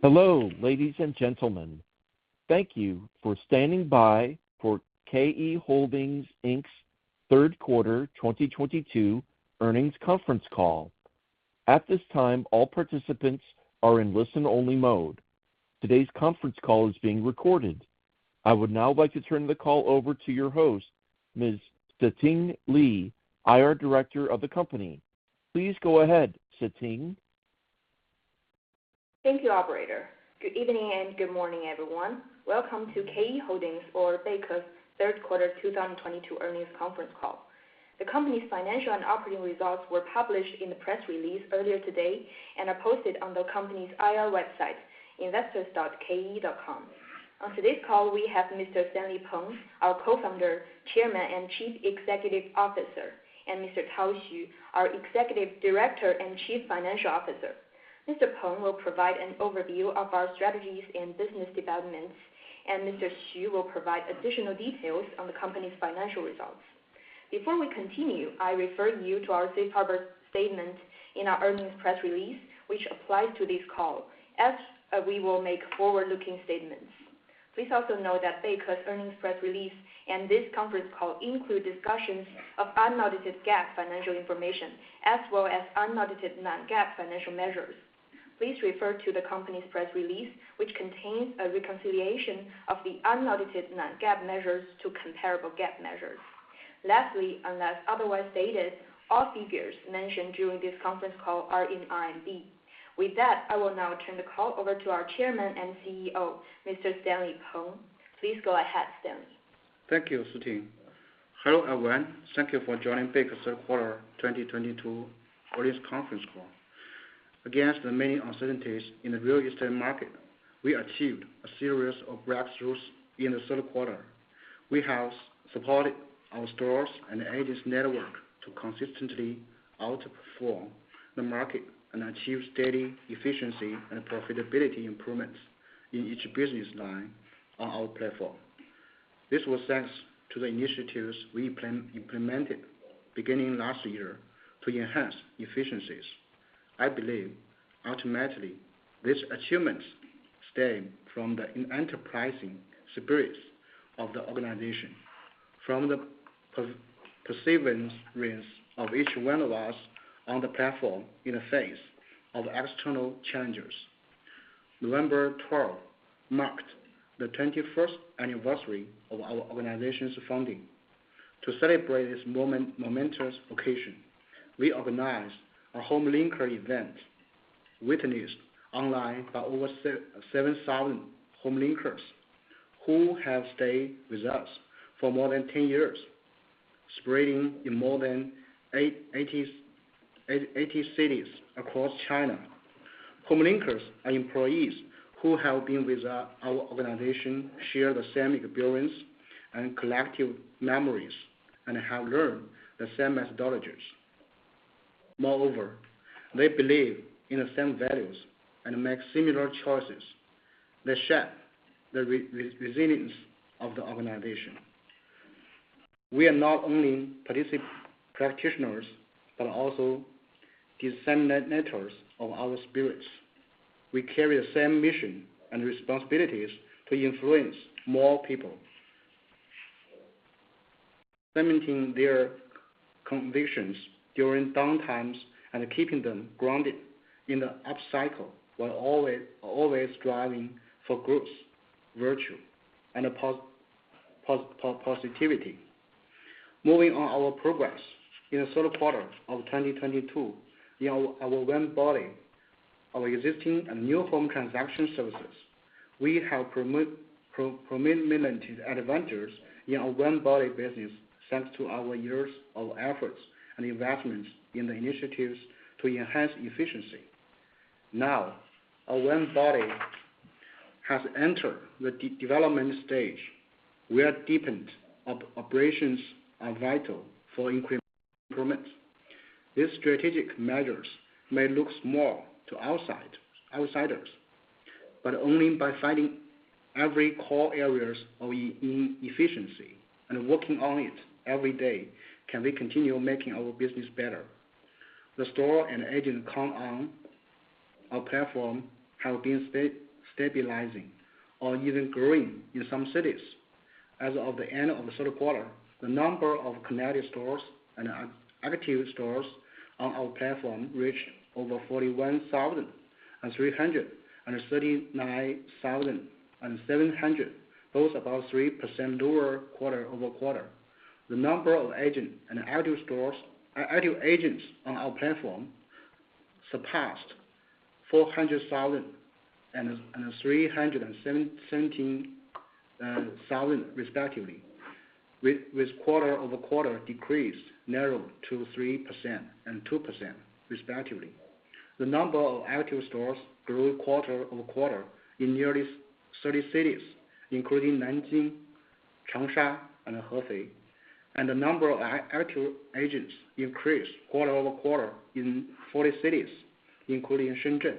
Hello, ladies and gentlemen. Thank you for standing by for KE Holdings Inc.'s third quarter 2022 earnings conference call. At this time, all participants are in listen-only mode. Today's conference call is being recorded. I would now like to turn the call over to your host, Ms. Siting Li, IR director of the company. Please go ahead, Siting. Thank you, operator. Good evening and good morning, everyone. Welcome to KE Holdings or Beike's third quarter 2022 earnings conference call. The company's financial and operating results were published in the press release earlier today and are posted on the company's IR website, investors.ke.com. On today's call, we have Mr. Stanley Peng, our Co-founder, Chairman, and Chief Executive Officer, and Mr. Tao Xu, our Executive Director and Chief Financial Officer. Mr. Peng will provide an overview of our strategies and business developments, and Mr. Xu will provide additional details on the company's financial results. Before we continue, I refer you to our safe harbor statement in our earnings press release, which applies to this call, as we will make forward-looking statements. Please also know that Beike's earnings press release and this conference call include discussions of unaudited GAAP financial information, as well as unaudited non-GAAP financial measures. Please refer to the company's press release, which contains a reconciliation of the unaudited non-GAAP measures to comparable GAAP measures. Lastly, unless otherwise stated, all figures mentioned during this conference call are in RMB. With that, I will now turn the call over to our Chairman and CEO, Mr. Stanley Peng. Please go ahead, Stanley. Thank you, Siting. Hello, everyone. Thank you for joining Beike's third quarter 2022 earnings conference call. Against the many uncertainties in the real estate market, we achieved a series of breakthroughs in the third quarter. We have supported our stores and agents' network to consistently outperform the market and achieve steady efficiency and profitability improvements in each business line on our platform. This was thanks to the initiatives we implemented beginning last year to enhance efficiencies. I believe ultimately, these achievements stem from the enterprising spirits of the organization, from the perseverance of each one of us on the platform in the face of external challenges. November 12 marked the 21st anniversary of our organization's founding. To celebrate this momentous occasion, we organized a HomeLinker event witnessed online by over 7,000 HomeLinkers who have stayed with us for more than 10 years, spreading in more than 80 cities across China. HomeLinkers are employees who have been with our organization, share the same experience and collective memories, and have learned the same methodologies. Moreover, they believe in the same values and make similar choices. They shape the resilience of the organization. We are not only practitioners, but also disseminators of our spirits. We carry the same mission and responsibilities to influence more people, cementing their convictions during downtimes and keeping them grounded in the upcycle while always driving for growth, virtue, and positivity. Moving on our progress. In the third quarter of 2022, in our one body, our existing and new home transaction services, we have prominent advantages in our one-body business, thanks to our years of efforts and investments in the initiatives to enhance efficiency. Now, our one body has entered the development stage, where deepened operations are vital for increments. These strategic measures may look small to outsiders, but only by finding every core areas of inefficiency and working on it every day can we continue making our business better. The store and agent count on our platform have been stabilizing or even growing in some cities. As of the end of the third quarter, the number of connected stores and active stores on our platform reached over 41,300 and 39,700, both about 3% lower quarter-over-quarter. The number of agents and active stores, active agents on our platform, surpassed 400,000 and 317,000, respectively, with quarter-over-quarter decrease narrowed to 3% and 2%, respectively. The number of active stores grew quarter-over-quarter in nearly 30 cities, including Nanjing, Changsha, and Hefei. The number of active agents increased quarter-over-quarter in 40 cities, including Shenzhen.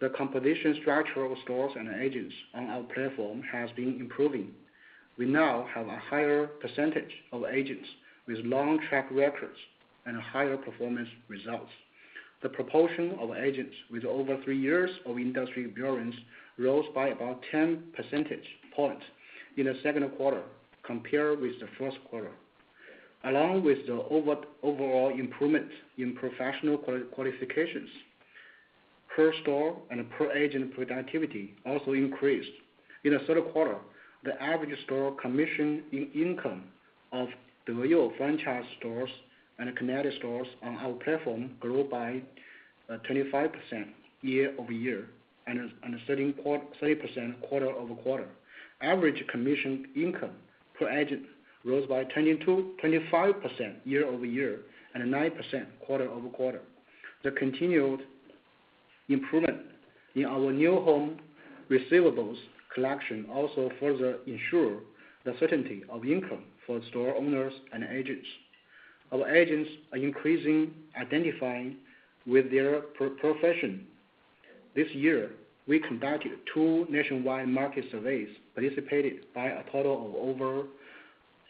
The competition structure of stores and agents on our platform has been improving. We now have a higher percentage of agents with long track records and higher performance results. The proportion of agents with over three years of industry experience rose by about 10 percentage points in the second quarter compared with the first quarter. Along with the overall improvement in professional qualifications, per-store and per-agent productivity also increased. In the third quarter, the average store commission income of the Deyou franchise stores and connected stores on our platform grew by 25% year-over-year and 13% quarter-over-quarter. Average commission income per agent rose by 25% year-over-year and 9% quarter-over-quarter. The continued improvement in our new home receivables collection also further ensure the certainty of income for store owners and agents. Our agents are increasing identifying with their profession. This year, we conducted two nationwide market surveys participated by a total of over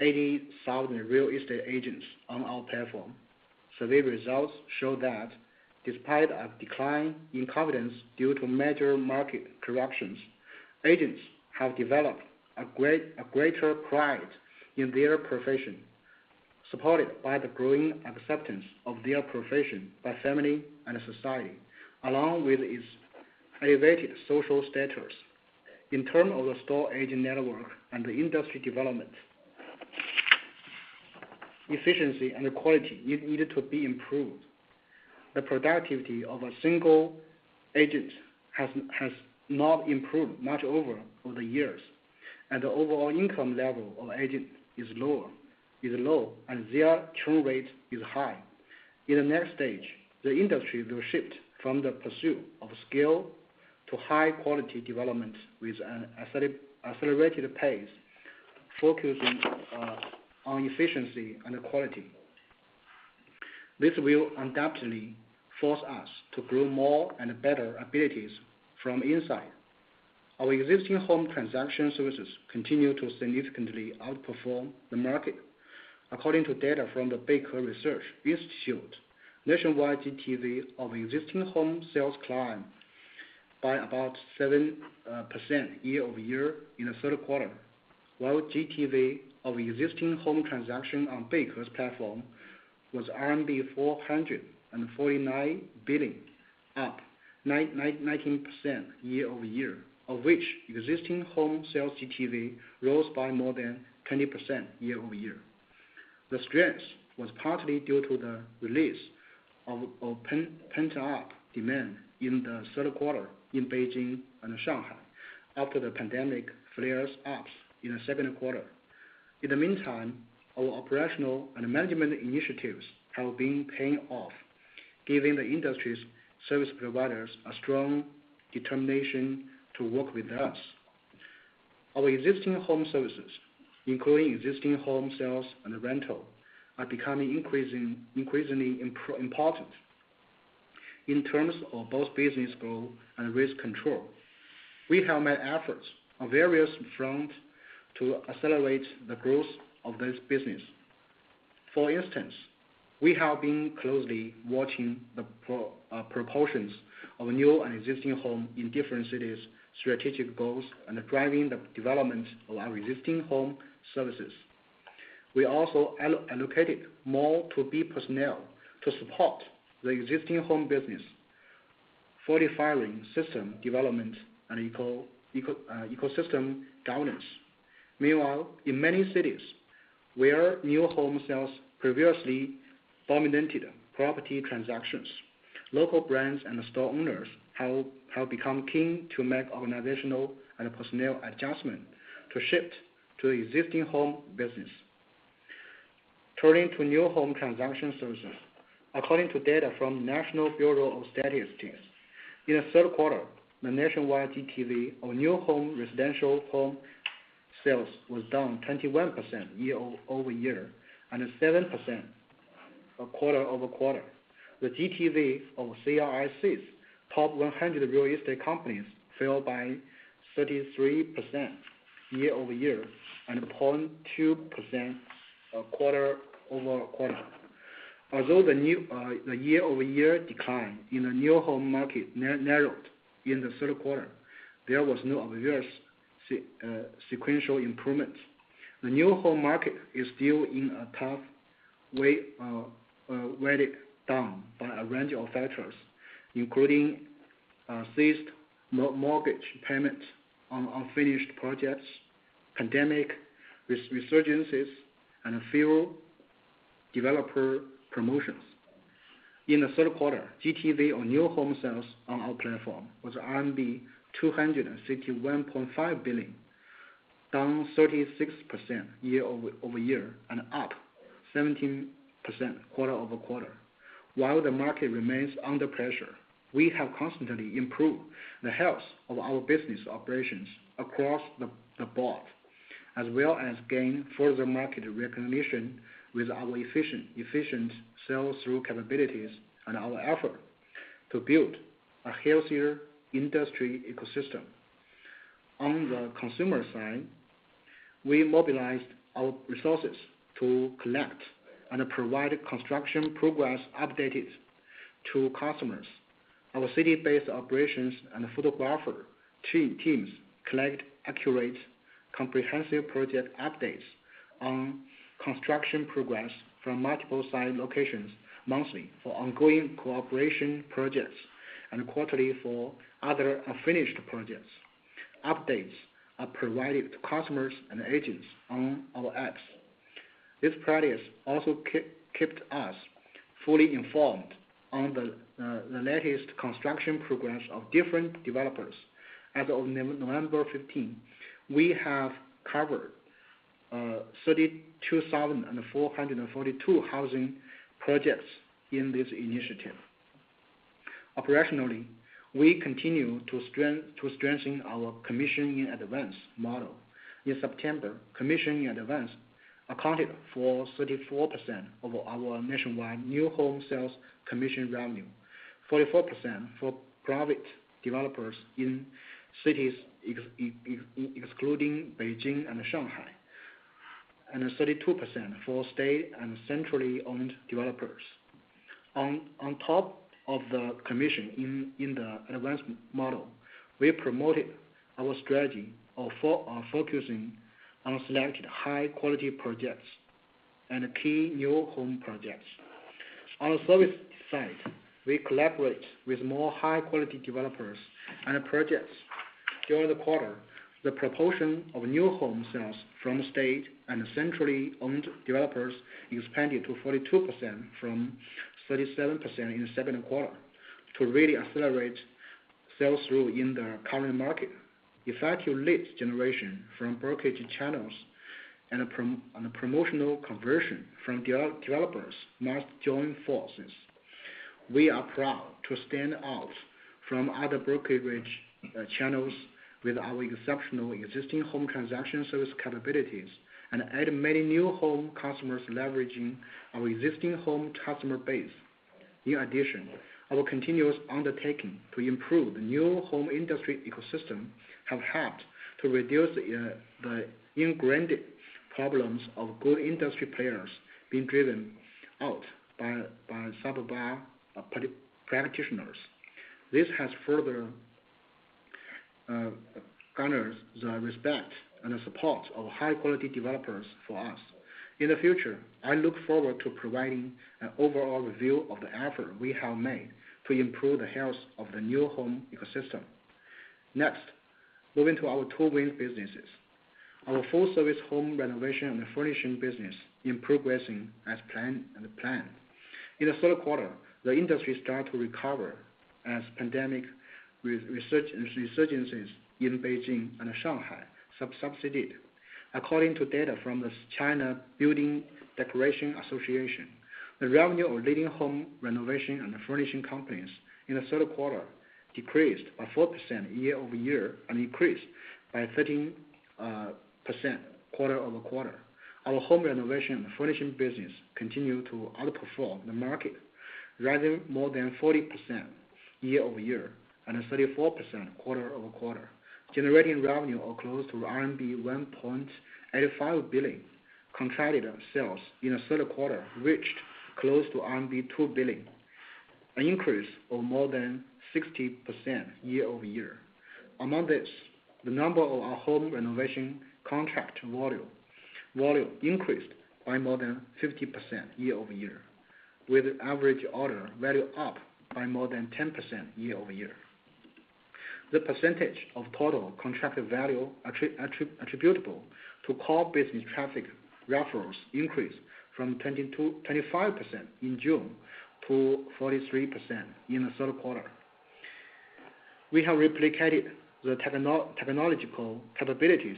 80,000 real estate agents on our platform. Survey results show that despite a decline in confidence due to major market corrections, agents have developed a greater pride in their profession, supported by the growing acceptance of their profession by family and society, along with its elevated social status. In terms of the store agent network and the industry development, efficiency and quality needed to be improved. The productivity of a single agent has not improved much over the years, and the overall income level of agent is low, and their churn rate is high. In the next stage, the industry will shift from the pursuit of scale to high-quality development with an accelerated pace, focusing on efficiency and quality. This will undoubtedly force us to grow more and better abilities from inside. Our existing home transaction services continue to significantly outperform the market. According to data from the Beike Research, this showed nationwide GTV of existing home sales climbed by about 7% year-over-year in the third quarter, while GTV of existing home transaction on Beike's platform was 449 billion, up 19% year-over-year, of which existing home sales GTV rose by more than 20% year-over-year. The strength was partly due to the release of pent-up demand in the third quarter in Beijing and Shanghai after the pandemic flare-ups in the second quarter. In the meantime, our operational and management initiatives have been paying off, giving the industry's service providers a strong determination to work with us. Our existing home services, including existing home sales and rentals, are becoming increasingly important in terms of both business growth and risk control. We have made efforts on various fronts to accelerate the growth of this business. For instance, we have been closely watching the proportions of new and existing home in different cities' strategic goals and driving the development of our existing home services. We also allocated more personnel to support the existing home business, fortifying system development, and ecosystem governance. Meanwhile, in many cities where new home sales previously dominated property transactions, local brands and store owners have become keen to make organizational and personnel adjustments to shift to the existing home business. Turning to new home transaction services, according to data from National Bureau of Statistics of China, in the third quarter, the nationwide GTV of new home residential home sales was down 21% year-over-year and 7% quarter-over-quarter. The GTV of CRIC's top 100 real estate companies fell by 33% year-over-year and 0.2% quarter-over-quarter. Although the year-over-year decline in the new home market narrowed in the third quarter, there was no obvious sequential improvement. The new home market is still in a tough way, weighed down by a range of factors, including, ceased mortgage payments on unfinished projects, pandemic resurgences, and few developer promotions. In the third quarter, GTV on new home sales on our platform was RMB 261.5 billion, down 36% year-over-year and up 17% quarter-over-quarter. While the market remains under pressure, we have constantly improved the health of our business operations across the board, as well as gained further market recognition with our efficient sell-through capabilities and our efforts to build a healthier industry ecosystem. On the consumer side, we mobilized our resources to collect and provide construction progress updates to customers. Our city-based operations and photographer teams collect accurate, comprehensive project updates on construction progress from multiple site locations monthly for ongoing cooperation projects, and quarterly for other unfinished projects. Updates are provided to customers and agents on our apps. This practice also kept us fully informed on the latest construction progress of different developers. As of November 15, we have covered 32,442 housing projects in this initiative. Operationally, we continue to strengthen our commissioning-advance model. In September, commissioning advance accounted for 34% of our nationwide new home sales commission revenue, 44% for private developers in cities excluding Beijing and Shanghai, and 32% for state and centrally owned developers. On top of the commission in the advancement model, we promoted our strategy of focusing on selected high-quality projects and key new home projects. On the service side, we collaborate with more high-quality developers and projects. During the quarter, the proportion of new home sales from state and centrally owned developers expanded to 42% from 37% in the second quarter to really accelerate sales through in the current market. Effective lead generation from brokerage channels and promotional conversion from developers must join forces. We are proud to stand out from other brokerage channels with our exceptional existing home transaction service capabilities and add many new home customers, leveraging our existing home customer base. In addition, our continuous undertaking to improve the new home industry ecosystem have helped to reduce the ingrained problems of good industry players being driven out by subpar practitioners. This has further garner the respect and the support of high-quality developers for us. In the future, I look forward to providing an overall review of the effort we have made to improve the health of the new home ecosystem. Next, moving to our two main businesses. Our full-service home renovation and furnishing business in progressing as planned. In the third quarter, the industry started to recover as pandemic resurgences in Beijing and Shanghai subsided. According to data from the China Building Decoration Association, the revenue of leading home renovation and furnishing companies in the third quarter decreased by 4% year-over-year and increased by 13% quarter-over-quarter. Our home renovation furnishing business continued to outperform the market, rising more than 40% year-over-year and 34% quarter-over-quarter, generating revenue of close to RMB 1.85 billion. Contracted sales in the third quarter reached close to RMB 2 billion, an increase of more than 60% year-over-year. Among this, the number of our home renovation contract value increased by more than 50% year-over-year, with average order value up by more than 10% year-over-year. The percentage of total contracted value attributable to core business traffic referrals increased from 25% in June to 43% in the third quarter. We have replicated the technological capabilities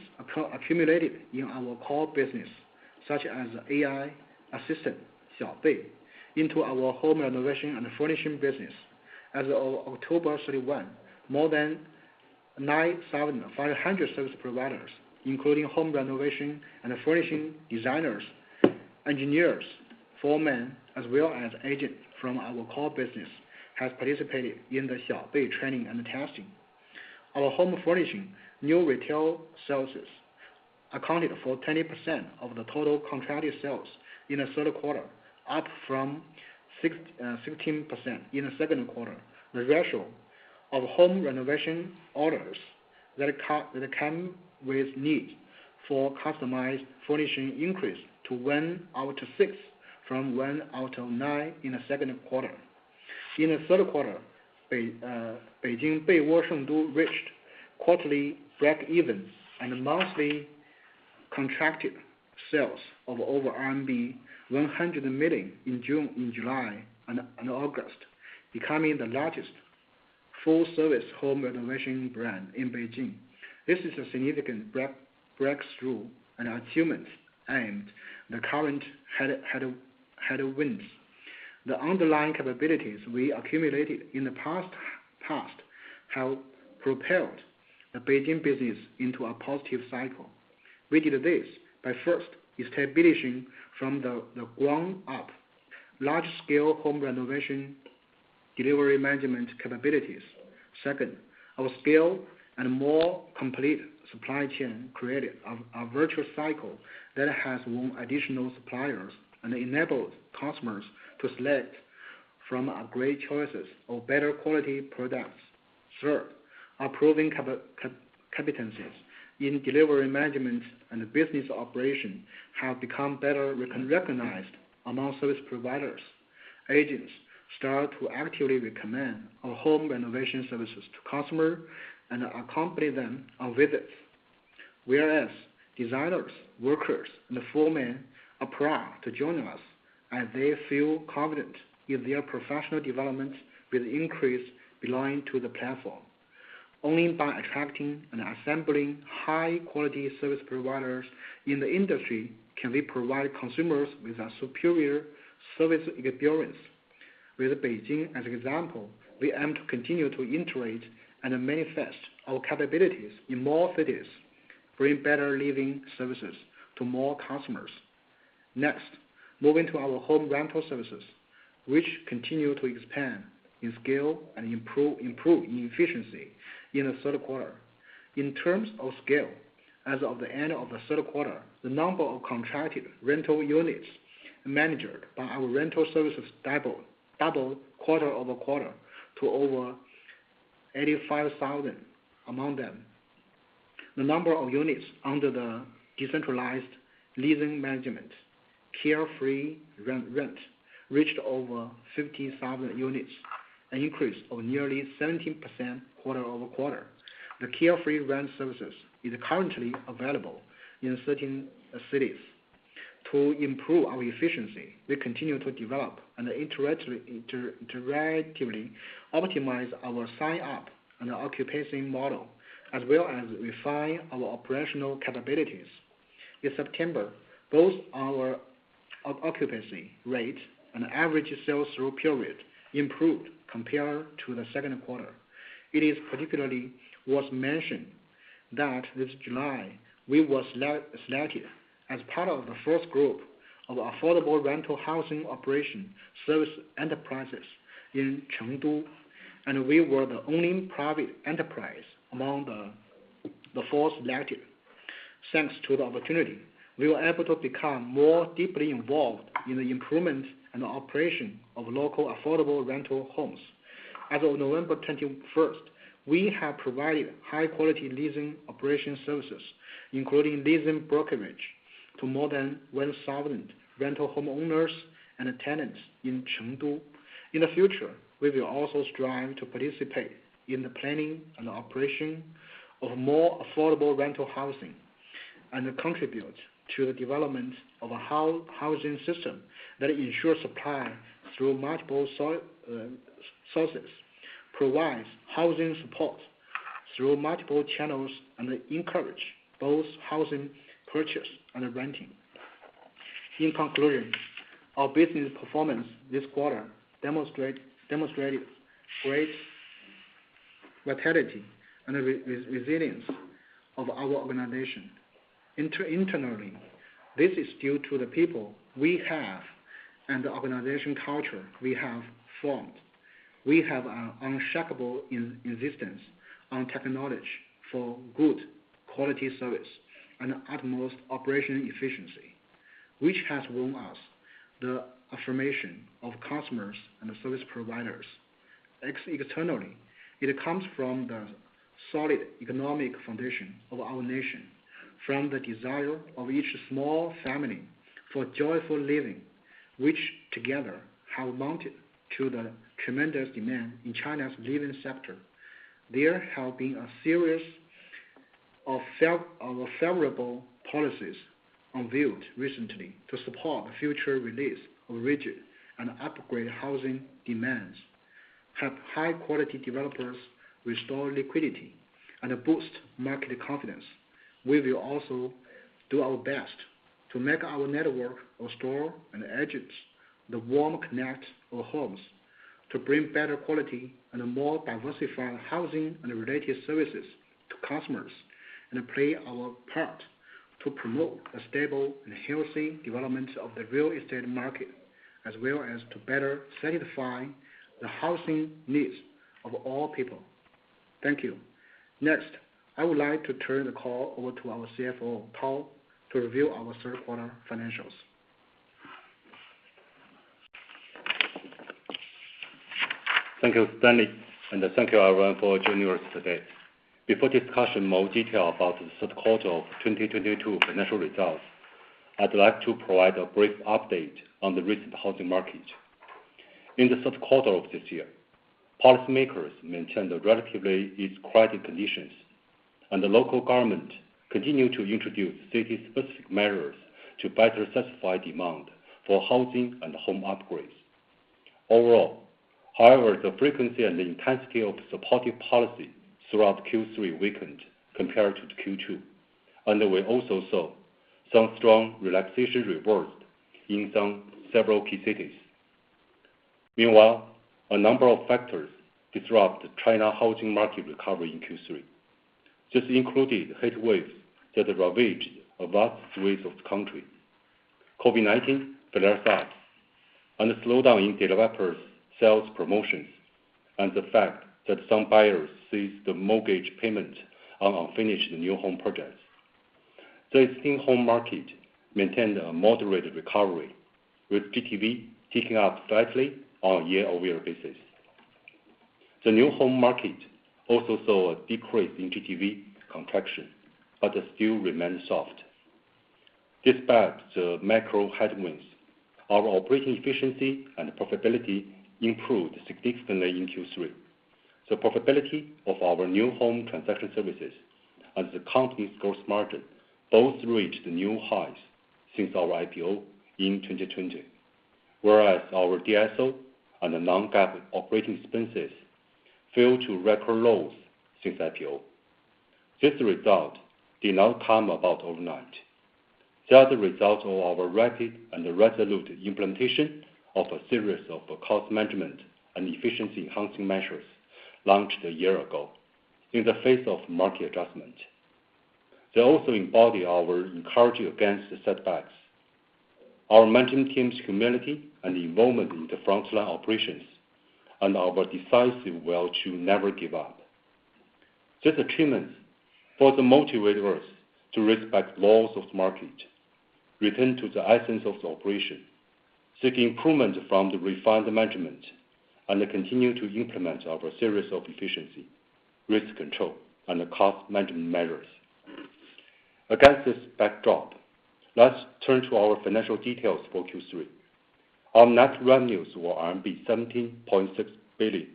accumulated in our core business, such as AI assistant, Xiao Bei, into our home renovation and furnishing business. As of October 31, more than 9,500 service providers, including home renovation and furnishing designers, engineers, foremen, as well as agent from our core business, has participated in the Xiao Bei training and testing. Our home furnishing new retail services accounted for 20% of the total contracted sales in the third quarter, up from 15% in the second quarter. The ratio of home renovation orders that come with need for customized furnishing increased to 1 out of 6 from 1 out of 9 in the second quarter. In the third quarter, Beijing Beiwo Shengdu reached quarterly breakevens and monthly contracted sales of over RMB 100 million in June, July, and August, becoming the largest full-service home renovation brand in Beijing. This is a significant breakthrough and achievement amid the current headwinds. The underlying capabilities we accumulated in the past have propelled the Beijing business into a positive cycle. We did this by first establishing from the ground up large-scale home renovation delivery management capabilities. Second, our scale and more complete supply chain created a virtual cycle that has won additional suppliers and enabled customers to select from a great choices of better quality products. Third, our proven competencies in delivery management and business operations have become better recognized among service providers. Agents start to actively recommend our home renovation services to customers and accompany them on visits. Whereas designers, workers, and the foremen are proud to join us as they feel confident in their professional development with increased belonging to the platform. Only by attracting and assembling high-quality service providers in the industry can we provide consumers with a superior service experience. With Beijing as an example, we aim to continue to iterate and manifest our capabilities in more cities, bring better living services to more customers. Next, moving to our home rental services, which continue to expand in scale and improve in efficiency in the third quarter. In terms of scale, as of the end of the third quarter, the number of contracted rental units managed by our rental services doubled quarter-over-quarter to over 85,000. Among them, the number of units under the decentralized leasing management, Carefree Rent, reached over 57 units, an increase of nearly 17% quarter-over-quarter. The Carefree Rent services is currently available in certain cities. To improve our efficiency, we continue to develop and iteratively optimize our sign-up and our occupancy model, as well as refine our operational capabilities. In September, both our occupancy rate and average sales through period improved compared to the second quarter. It is particularly worth mentioning that this July, we were selected as part of the first group of affordable rental housing operation service enterprises in Chengdu, and we were the only private enterprise among the four selected. Thanks to the opportunity, we were able to become more deeply involved in the improvement and operation of local affordable rental homes. As of November 21st, we have provided high-quality leasing operation services, including leasing brokerage, to more than 1,000 rental homeowners and tenants in Chengdu. In the future, we will also strive to participate in the planning and operation of more affordable rental housing and contribute to the development of a housing system that ensures supply through multiple sources, provides housing support through multiple channels, and encourages both housing purchase and renting. In conclusion, our business performance this quarter demonstrated great vitality and resilience of our organization. Internally, this is due to the people we have and the organizational culture we have formed. We have an unshakable insistence on technology for good quality service and utmost operational efficiency, which has won us the affirmation of customers and service providers. Externally, it comes from the solid economic foundation of our nation, from the desire of each small family for joyful living, which together have amounted to the tremendous demand in China's living sector. There have been a series of favorable policies unveiled recently to support the future release of rigid and upgrade housing demands, help high-quality developers restore liquidity, and boost market confidence. We will also do our best to make our network of store and agents the warm connect of homes, to bring better quality and a more diversified housing and related services to customers, and play our part to promote a stable and healthy development of the real estate market, as well as to better satisfy the housing needs of all people. Thank you. Next, I would like to turn the call over to our CFO Tao, to review our third-quarter financials. Thank you, Stanley, and thank you, everyone, for joining us today. Before discussing more details about the third quarter of 2022 financial results, I'd like to provide a brief update on the recent housing market. In the third quarter of this year, policymakers maintained the relatively easy credit conditions, and the local government continued to introduce city-specific measures to better satisfy demand for housing and home upgrades. Overall, however, the frequency and the intensity of supportive policy throughout Q3 weakened compared to Q2, and we also saw some strong relaxation reversed in some several key cities. Meanwhile, a number of factors disrupt China's housing market recovery in Q3. This included heatwaves that ravaged a vast swathe of the country, COVID-19 flare-ups and a slowdown in developers' sales promotions, and the fact that some buyers ceased the mortgage payment on unfinished new home projects. The existing home market maintained a moderate recovery, with GTV ticking up slightly on a year-over-year basis. The new home market also saw a decrease in GTV contraction, but it still remains soft. Despite the macro headwinds, our operating efficiency and profitability improved significantly in Q3. The profitability of our new home transaction services and the company's gross margin both reached new highs since our IPO in 2020, whereas our DSO and non-GAAP operating expenses fell to record lows since IPO. This result did not come about overnight. They are the result of our rapid and resolute implementation of a series of cost management and efficiency-enhancing measures launched a year ago in the face of market adjustment. They also embody our courage against the setbacks. Our management team's community and involvement in the frontline operations and our decisive will to never give up. These achievements further motivate us to respect laws of the market, return to the essence of the operation, seek improvement from the refined management, and continue to implement our series of efficiency, risk control, and cost management measures. Against this backdrop, let's turn to our financial details for Q3. Our net revenues were RMB 17.6 billion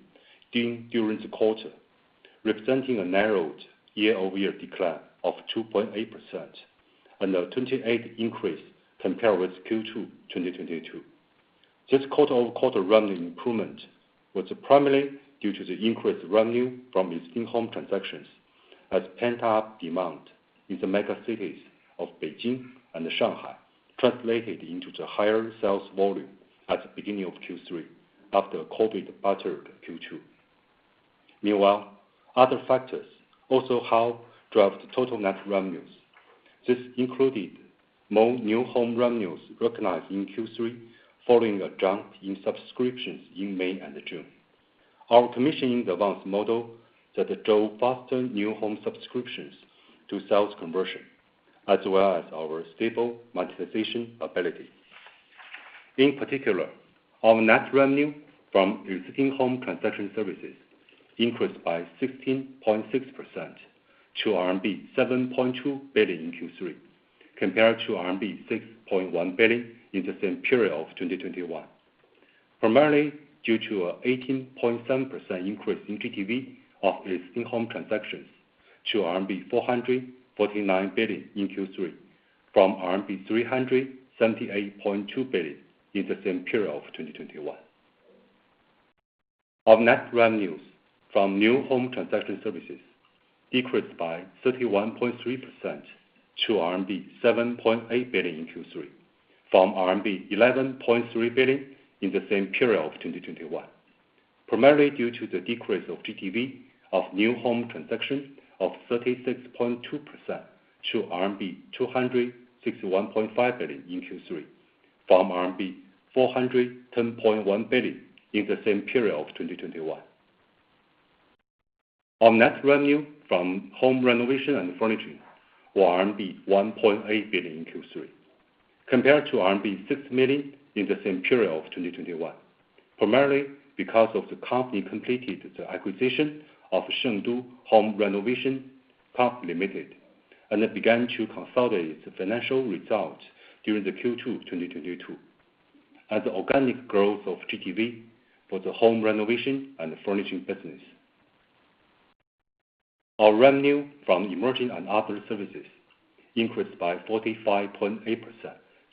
during the quarter, representing a narrowed year-over-year decline of 2.8% and a 28% increase compared with Q2 2022. This quarter-over-quarter revenue improvement was primarily due to the increased revenue from existing home transactions, as pent-up demand in the megacities of Beijing and Shanghai translated into the higher sales volume at the beginning of Q3 after a COVID-battered Q2. Meanwhile, other factors also helped drive the total net revenues. This included more new home revenues recognized in Q3 following a jump in subscriptions in May and June. Our commissioning-advance model that drove faster new home subscriptions to sales conversion, as well as our stable monetization ability. In particular, our net revenue from existing home transaction services increased by 16.6% to RMB 7.2 billion in Q3, compared to RMB 6.1 billion in the same period of 2021. Primarily due to a 18.7% increase in GTV of existing home transactions to RMB 449 billion in Q3, from RMB 378.2 billion in the same period of 2021. Our net revenues from new home transaction services decreased by 31.3% to RMB 7.8 billion in Q3, from RMB 11.3 billion in the same period of 2021. Primarily due to the decrease of GTV of new home transactions of 36.2% to RMB 261.5 billion in Q3, from RMB 410.1 billion in the same period of 2021. Our net revenue from home renovation and furnishing were RMB 1.8 billion in Q3, compared to RMB 6 million in the same period of 2021, primarily because of the company completed the acquisition of Shengdu Home Renovation Co., Ltd. and it began to consolidate the financial results during the Q2 2022 as organic growth of GTV for the home renovation and furnishing business. Our revenue from emerging and other services increased by 45.8%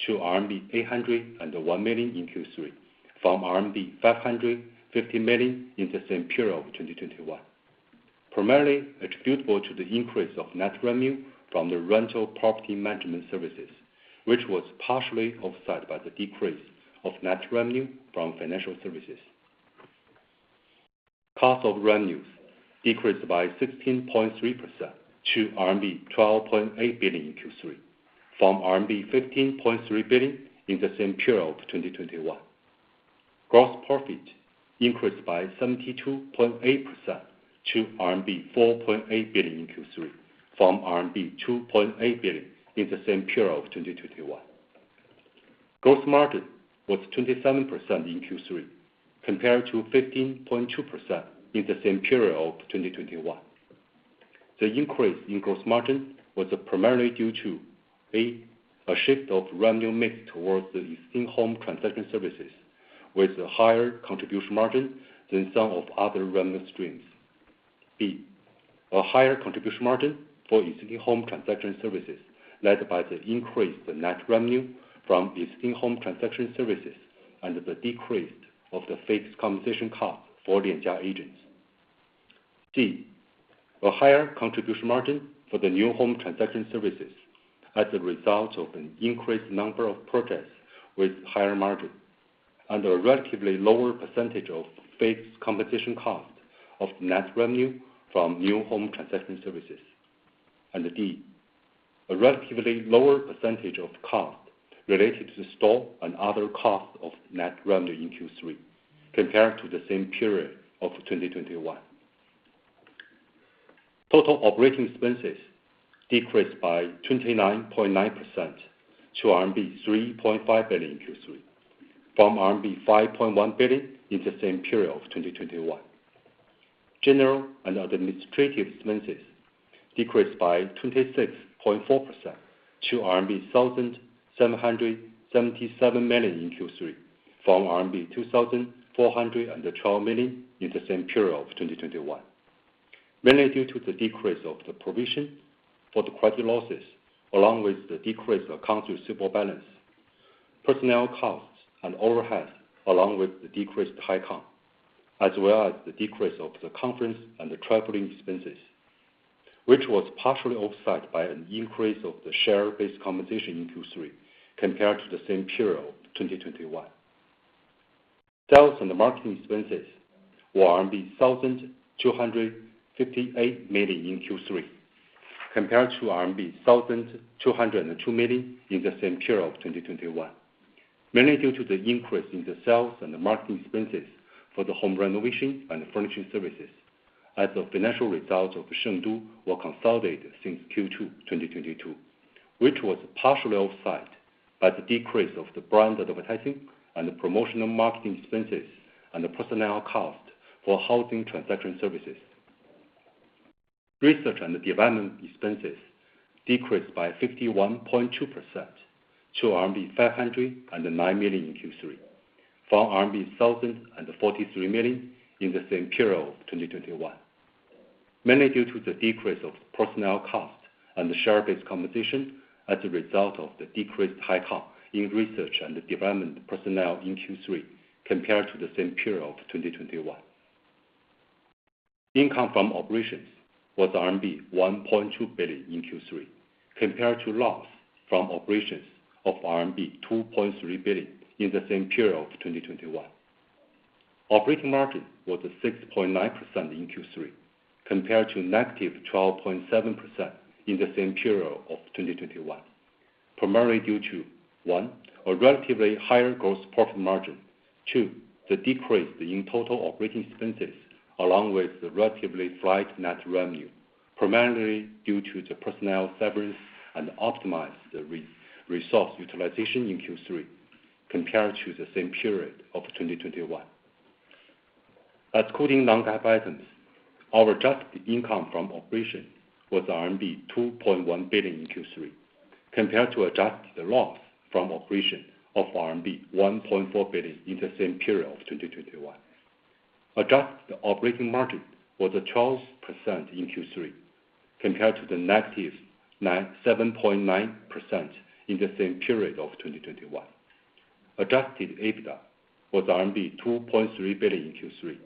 to RMB 801 million in Q3, from RMB 550 million in the same period of 2021. Primarily attributable to the increase of net revenue from the rental property management services, which was partially offset by the decrease of net revenue from financial services. Cost of revenues decreased by 16.3% to RMB 12.8 billion in Q3, from RMB 15.3 billion in the same period of 2021. Gross profit increased by 72.8% to RMB 4.8 billion in Q3, from RMB 2.8 billion in the same period of 2021. Gross margin was 27% in Q3, compared to 15.2% in the same period of 2021. The increase in gross margin was primarily due to, A, a shift of revenue mix towards the existing home transaction services, with a higher contribution margin than some of other revenue streams. B, a higher contribution margin for existing home transaction services led by the increased net revenue from existing home transaction services and the decrease of the fixed compensation cost for Lianjia agents. C, a higher contribution margin for the new home transaction services as a result of an increased number of projects with higher margin. A relatively lower percentage of base compensation cost of net revenue from new home transaction services. D, a relatively lower percentage of cost related to the store and other costs of net revenue in Q3 compared to the same period of 2021. Total operating expenses decreased by 29.9% to RMB 3.5 billion in Q3, from RMB 5.1 billion in the same period of 2021. General and administrative expenses decreased by 26.4% to RMB 1,777 million in Q3, from RMB 2,412 million in the same period of 2021. Mainly due to the decrease of the provision for the credit losses, along with the decrease accounts receivable balance, personnel costs, and overhead, along with the decreased high comp, as well as the decrease of the conference and the traveling expenses, which was partially offset by an increase of the share-based compensation in Q3 compared to the same period of 2021. Sales and marketing expenses were 1,258 million in Q3, compared to RMB 1,202 million in the same period of 2021. Mainly due to the increase in the sales, and the marketing expenses for the home renovation and furnishing services as the financial results of Shengdu were consolidated since Q2 2022, which was partially offset by the decrease of the brand advertising and the promotional marketing expenses and the personnel cost for housing transaction services. Research and development expenses decreased by 51.2% to RMB 509 million in Q3, from RMB 1,043 million in the same period of 2021. Mainly due to the decrease of personnel cost and the share-based compensation as a result of the decreased high comp in research and development personnel in Q3 compared to the same period of 2021. Income from operations was RMB 1.2 billion in Q3, compared to loss from operations of RMB 2.3 billion in the same period of 2021. Operating margin was 6.9% in Q3, compared to -12.7% in the same period of 2021. Primarily due to, one, a relatively higher gross profit margin. Two, the decrease in total operating expenses along with the relatively slight net revenue, primarily due to the personnel severance, and optimize the resource utilization in Q3 compared to the same period of 2021. Excluding non-GAAP items, our adjusted income from operations was RMB 2.1 billion in Q3, compared to adjusted loss from operations of RMB 1.4 billion in the same period of 2021. Adjusted operating margin was 12% in Q3, compared to the -7.9% in the same period of 2021. Adjusted EBITDA was RMB 2.3 billion in Q3,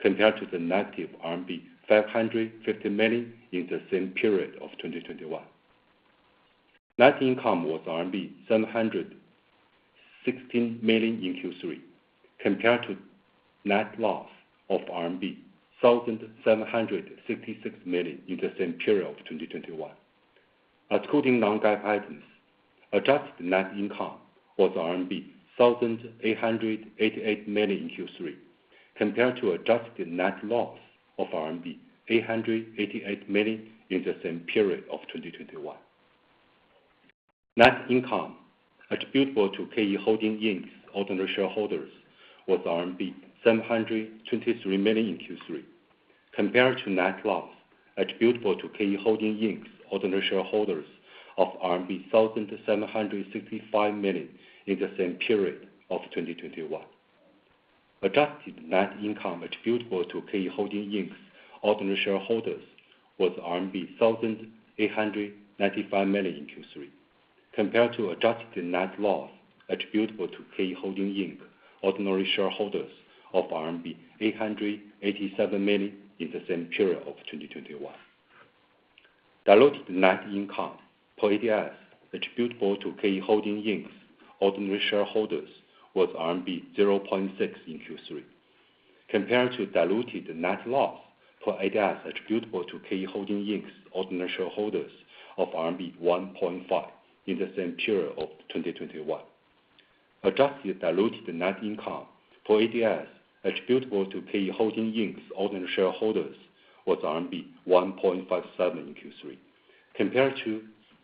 compared to the RMB -550 million in the same period of 2021. Net income was RMB 716 million in Q3, compared to net loss of RMB 1,766 million in the same period of 2021. Excluding non-GAAP items, adjusted net income was RMB 1,888 million in Q3, compared to adjusted net loss of RMB 888 million in the same period of 2021. Net income attributable to KE Holdings Inc.'s ordinary shareholders was RMB 723 million in Q3, compared to net loss attributable to KE Holdings Inc.'s ordinary shareholders of RMB 1,765 million in the same period of 2021. Adjusted net income attributable to KE Holdings Inc.'s ordinary shareholders was RMB 1,895 million in Q3, compared to adjusted net loss attributable to KE Holdings Inc. ordinary shareholders of RMB 887 million in the same period of 2021. Diluted net income per ADS attributable to KE Holdings Inc.'s ordinary shareholders was RMB 0.6 in Q3, compared to diluted net loss per ADS attributable to KE Holdings Inc.'s ordinary shareholders of RMB 1.5 in the same period of 2021. Adjusted diluted net income per ADS attributable to KE Holdings Inc.'s ordinary shareholders was RMB 1.57 in Q3, compared to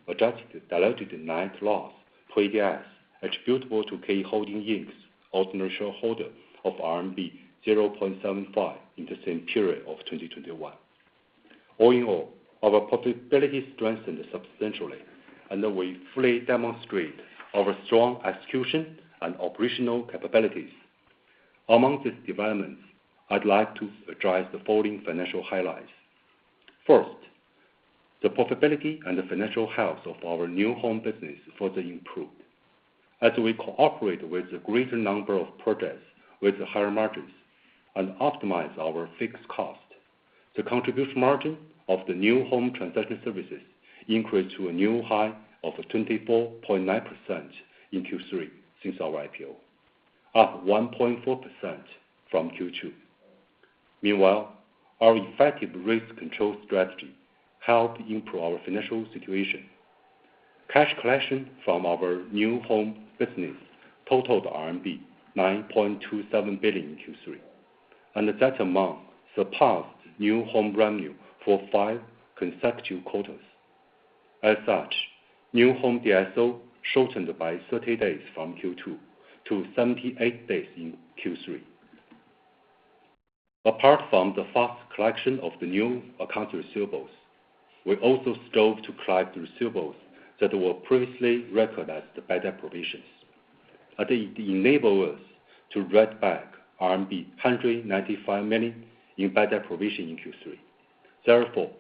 adjusted diluted net loss per ADS attributable to KE Holdings Inc.'s ordinary shareholders of RMB 0.75 in the same period of 2021. All in all, our profitability strengthened substantially, and we fully demonstrated our strong execution and operational capabilities. Among these developments, I'd like to address the following financial highlights. First, the profitability and the financial health of our new home business further improved. As we cooperate with a greater number of projects with higher margins and optimize our fixed cost. The contribution margin of the new home transaction services increased to a new high of 24.9% in Q3 since our IPO, up 1.4% from Q2. Meanwhile, our effective risk control strategy helped improve our financial situation. Cash collection from our new home business totaled RMB 9.27 billion in Q3. That amount surpassed new home revenue for five consecutive quarters. As such, new home DSO shortened by 30 days from Q2 to 78 days in Q3. Apart from the fast collection of the new accounts receivables, we also strove to climb through receivables that were previously recognized by bad provisions. It enables us to write back RMB 195 million in bad debt provision in Q3. Therefore,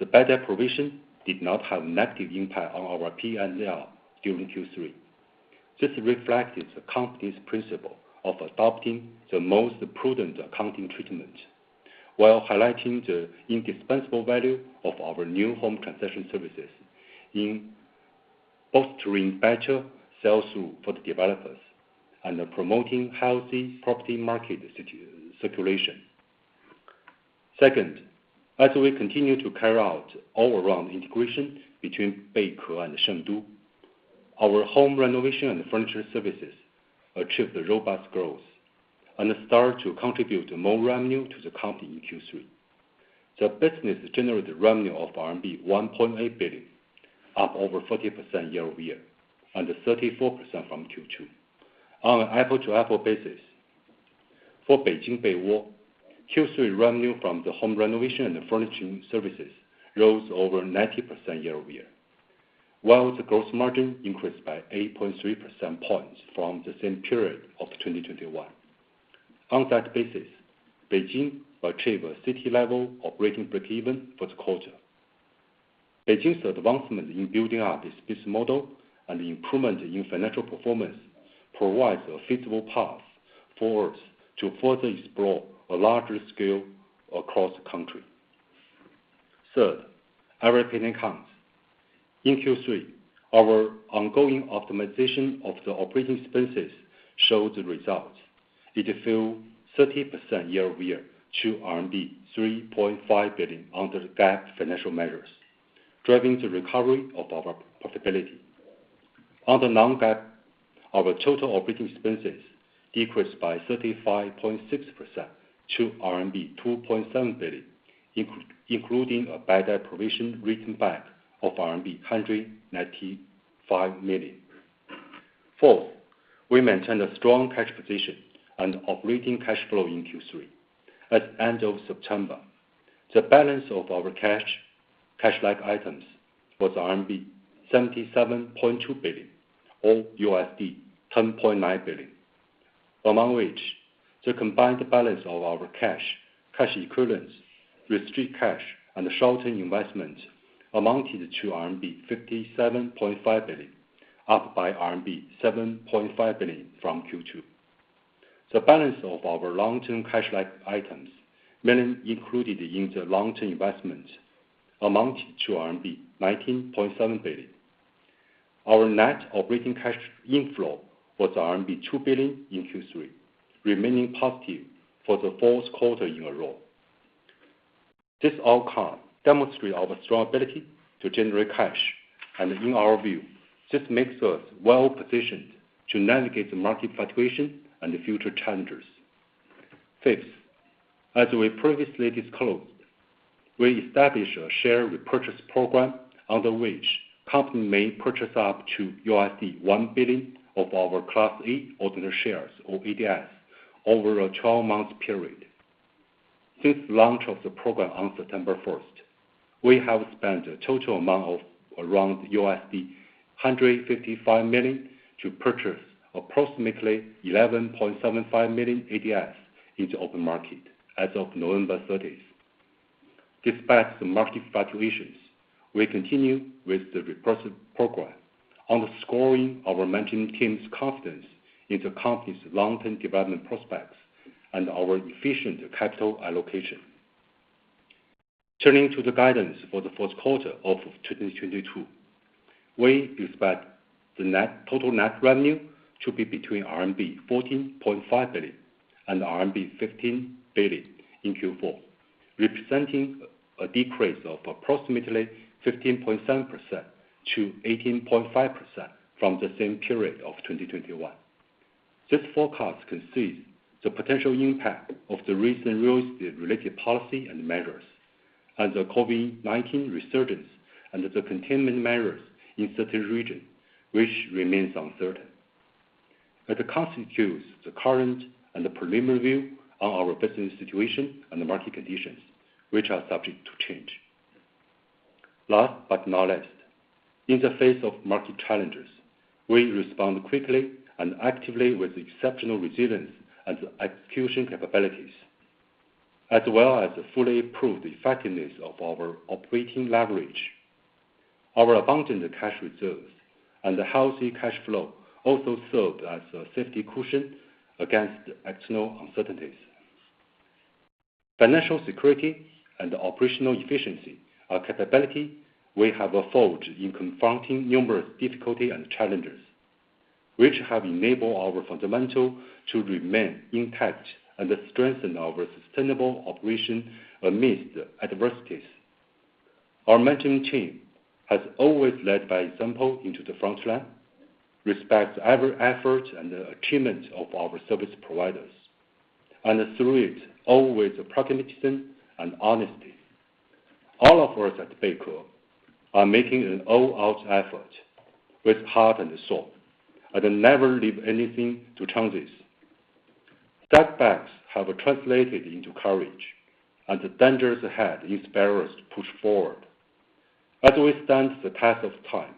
the bad debt provision did not have negative impact on our PNL during Q3. This reflects the company's principle of adopting the most prudent accounting treatment while highlighting the indispensable value of our new home transaction services in fostering better sales through for the developers and promoting healthy property market circulation. Second, as we continue to carry out all-around integration between Beike and Shengdu, our home renovation and furniture services achieved a robust growth and start to contribute more revenue to the company in Q3. The business generated revenue of RMB 1.8 billion, up over 40% year-over-year, and 34% from Q2. On an apple-to-apple basis, for Beijing Beiwo, Q3 revenue from the home renovation and furnishing services rose over 90% year-over-year, while the gross margin increased by 8.3 percentage points from the same period of 2021. On that basis, Beijing achieved a city-level operating break-even for the quarter. Beijing's advancement in building out this business model and improvement in financial performance provide a feasible path for us to further explore a larger scale across the country. Third, every penny counts. In Q3, our ongoing optimization of the operating expenses showed results. It fell 30% year-over-year to RMB 3.5 billion under the GAAP financial measures, driving the recovery of our profitability. Under non-GAAP, our total operating expenses decreased by 35.6% to RMB 2.7 billion, including a bad debt provision written back of RMB 195 million. Fourth, we maintained a strong cash position and operating cash flow in Q3. At end of September, the balance of our cash-like items was RMB 77.2 billion or $10.9 billion. Among which, the combined balance of our cash equivalents, restricted cash, and short-term investment amounted to RMB 57.5 billion, up by RMB 7.5 billion from Q2. The balance of our long-term cash-like items, mainly included in the long-term investment, amounted to RMB 19.7 billion. Our net operating cash inflow was RMB 2 billion in Q3, remaining positive for the fourth quarter in a row. This outcome demonstrates our strong ability to generate cash. In our view, this makes us well-positioned to navigate the market fluctuation and the future challenges. Fifth, as we previously disclosed, we established a share repurchase program under which company may purchase up to $1 billion of our Class E ordinary shares or ADS over a 12-month period. Since launch of the program on September 1st, we have spent a total amount of around $155 million to purchase approximately 11.75 million ADS into open market as of November 30th. Despite the market fluctuations, we continue with the repurchase program, underscoring our management team's confidence in the company's long-term development prospects and our efficient capital allocation. Turning to the guidance for the fourth quarter of 2022, we expect total net revenue to be between RMB 14.5 billion and RMB 15 billion in Q4, representing a decrease of approximately 15.7%-18.5% from the same period of 2021. This forecast concedes the potential impact of the recent real estate-related policy and measures, and the COVID-19 resurgence and the containment measures in certain regions, which remains uncertain, as it constitutes the current and the preliminary view on our business situation and the market conditions, which are subject to change. Last but not least, in the face of market challenges, we respond quickly and actively with exceptional resilience and execution capabilities, as well as fully prove the effectiveness of our operating leverage. Our abundant cash reserves and the healthy cash flow also served as a safety cushion against external uncertainties. Financial security and operational efficiency are capability we have forged in confronting numerous difficulty and challenges, which have enabled our fundamental to remain intact and strengthen our sustainable operation amidst adversities. Our management team has always led by example into the front line, respects every effort and achievement of our service providers, and through it all with pragmatism and honesty. All of us at Beike are making an all-out effort with heart and soul, and never leave anything to chance. Setbacks have translated into courage, and the dangers ahead inspire us to push forward. As we stand the test of time,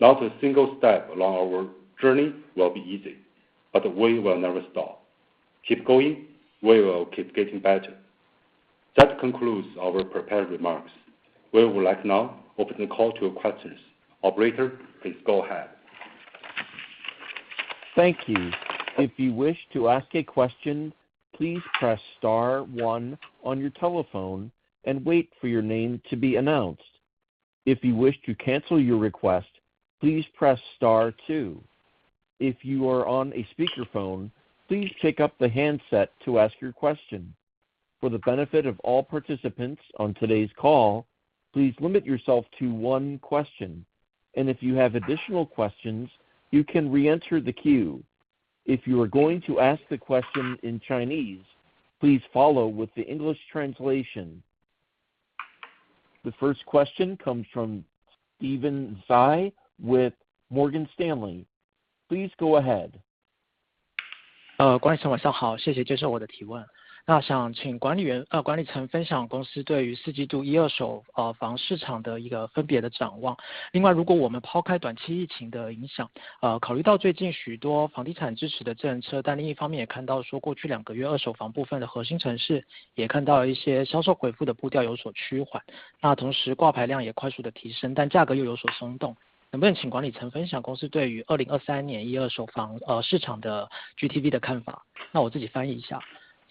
not a single step along our journey will be easy, but we will never stop. Keep going, we will keep getting better. That concludes our prepared remarks. We will like now open the call to your questions. Operator, please go ahead. Thank you. If you wish to ask a question, please press star one on your telephone and wait for your name to be announced. If you wish to cancel your request, please press star two. If you are on a speakerphone, please pick up the handset to ask your question. For the benefit of all participants on today's call, please limit yourself to one question. If you have additional questions, you can re-enter the queue. If you are going to ask the question in Chinese, please follow with the English translation. The first question comes from Steven Tsai with Morgan Stanley. Please go ahead. Good afternoon. Thank you for taking my questions.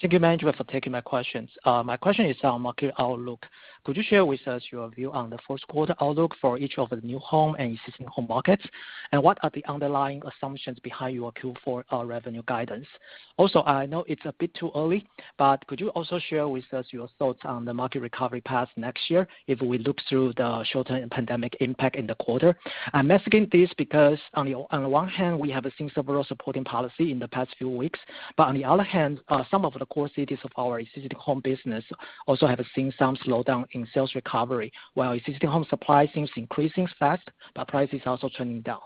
Thank you, management, for taking my questions. My question is on the market outlook. Could you share with us your view on the first quarter outlook for each of the new home and existing home markets? What are the underlying assumptions behind your Q4 revenue guidance? I know it's a bit too early, but could you also share with us your thoughts on the market recovery path next year if we look through the short-term pandemic impact in the quarter? I'm asking this because on one hand, we have seen several supporting policy in the past few weeks, but on the other hand, some of the core cities of our existing home business also have seen some slowdown in sales recovery. While existing home supply seems increasing fast, but price is also trending down.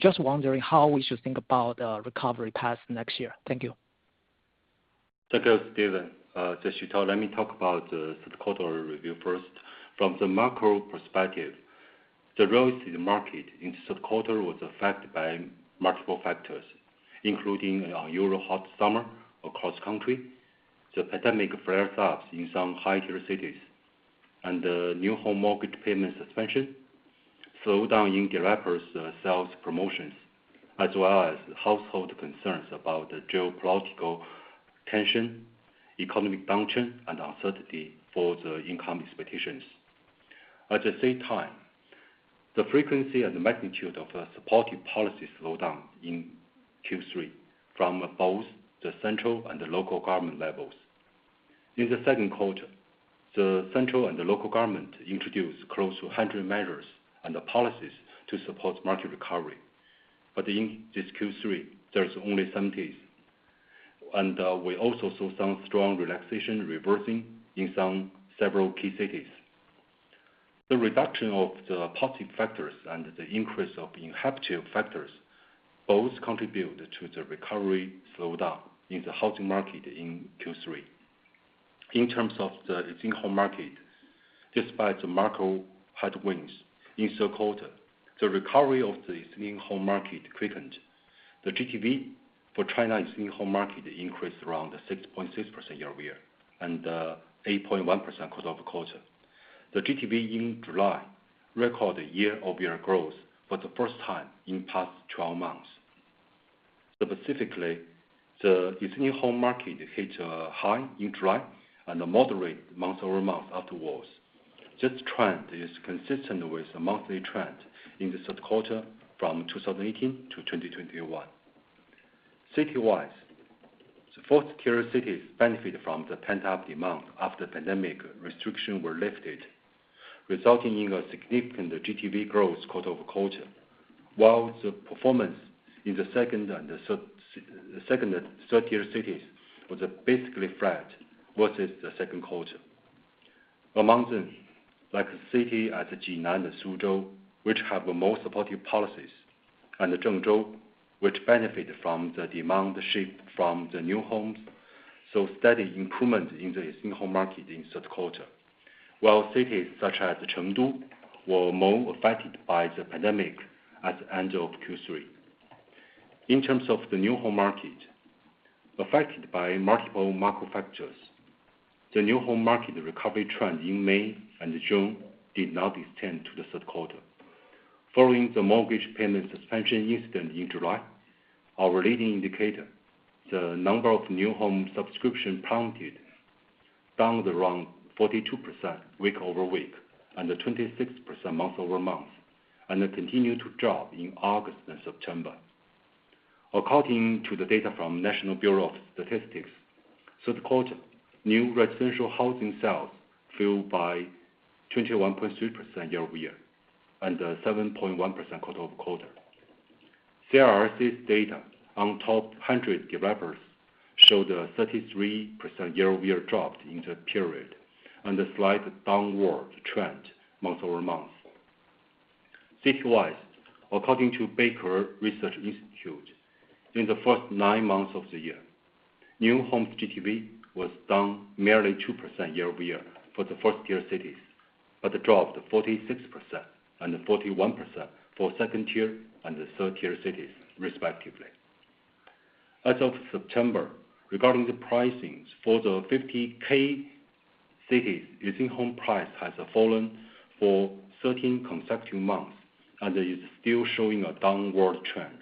Just wondering how we should think about recovery path next year. Thank you. Thank you, Steven. As you talk, let me talk about the third quarter review first. From the macro perspective, the real estate market in this third quarter was affected by multiple factors, including our usual hot summer across country, the pandemic flare-ups in some high-tier cities, and the new home mortgage payment suspension, slowdown in developers' sales promotions, as well as household concerns about the geopolitical tension, economic downturn, and uncertainty for the income expectations. At the same time, the frequency and the magnitude of a supportive policy slowed down in Q3 from both the central and the local government levels. In the second quarter, the central and the local government introduced close to 100 measures and policies to support market recovery. In this Q3, there's only 70. We also saw some strong relaxation reversing in some several key cities. The reduction of the positive factors and the increase of inhibitive factors both contribute to the recovery slowdown in the housing market in Q3. In terms of the existing home market, despite the macro headwinds in second quarter, the recovery of the existing home market quickened. The GTV for China existing home market increased around 6.6% year-over-year, and 8.1% quarter-over-quarter. The GTV in July recorded year-over-year growth for the first time in past 12 months. Specifically, the existing home market hit a high in July and moderated month-over-month afterwards. This trend is consistent with the monthly trend in the third quarter from 2018 to 2021. City-wise, the fourth-tier cities benefit from the pent-up demand after pandemic restrictions were lifted, resulting in a significant GTV growth quarter-over-quarter. The performance in the second and third-tier cities was basically flat versus the second quarter. Among them, like city as Jinan and Suzhou, which have more supportive policies, and Zhengzhou, which benefit from the demand shift from the new homes, saw steady improvement in the existing home market in third quarter. Cities such as Chengdu were more affected by the pandemic at the end of Q3. In terms of the new home market, affected by multiple macro factors, the new home market recovery trend in May and June did not extend to the third quarter. Following the mortgage payment suspension incident in July, our leading indicator, the number of new home subscription prompted downed around 42% week-over-week, 26% month-over-month. It continued to drop in August and September. According to the data from National Bureau of Statistics, third-quarter new residential housing sales fell by 21.3% year-over-year, and 7.1% quarter-over-quarter. CRIC's data on top 100 developers showed a 33% year-over-year drop in the period, and a slight downward trend month-over-month. City-wise, according to Beike Research Institute, during the first nine months of the year, new homes GTV was down merely 2% year-over-year for the first-tier cities, but dropped 46% and 41% for second-tier and third-tier cities, respectively. As of September, regarding the pricings for the 50 key cities, existing home price has fallen for 13 consecutive months and is still showing a downward trend.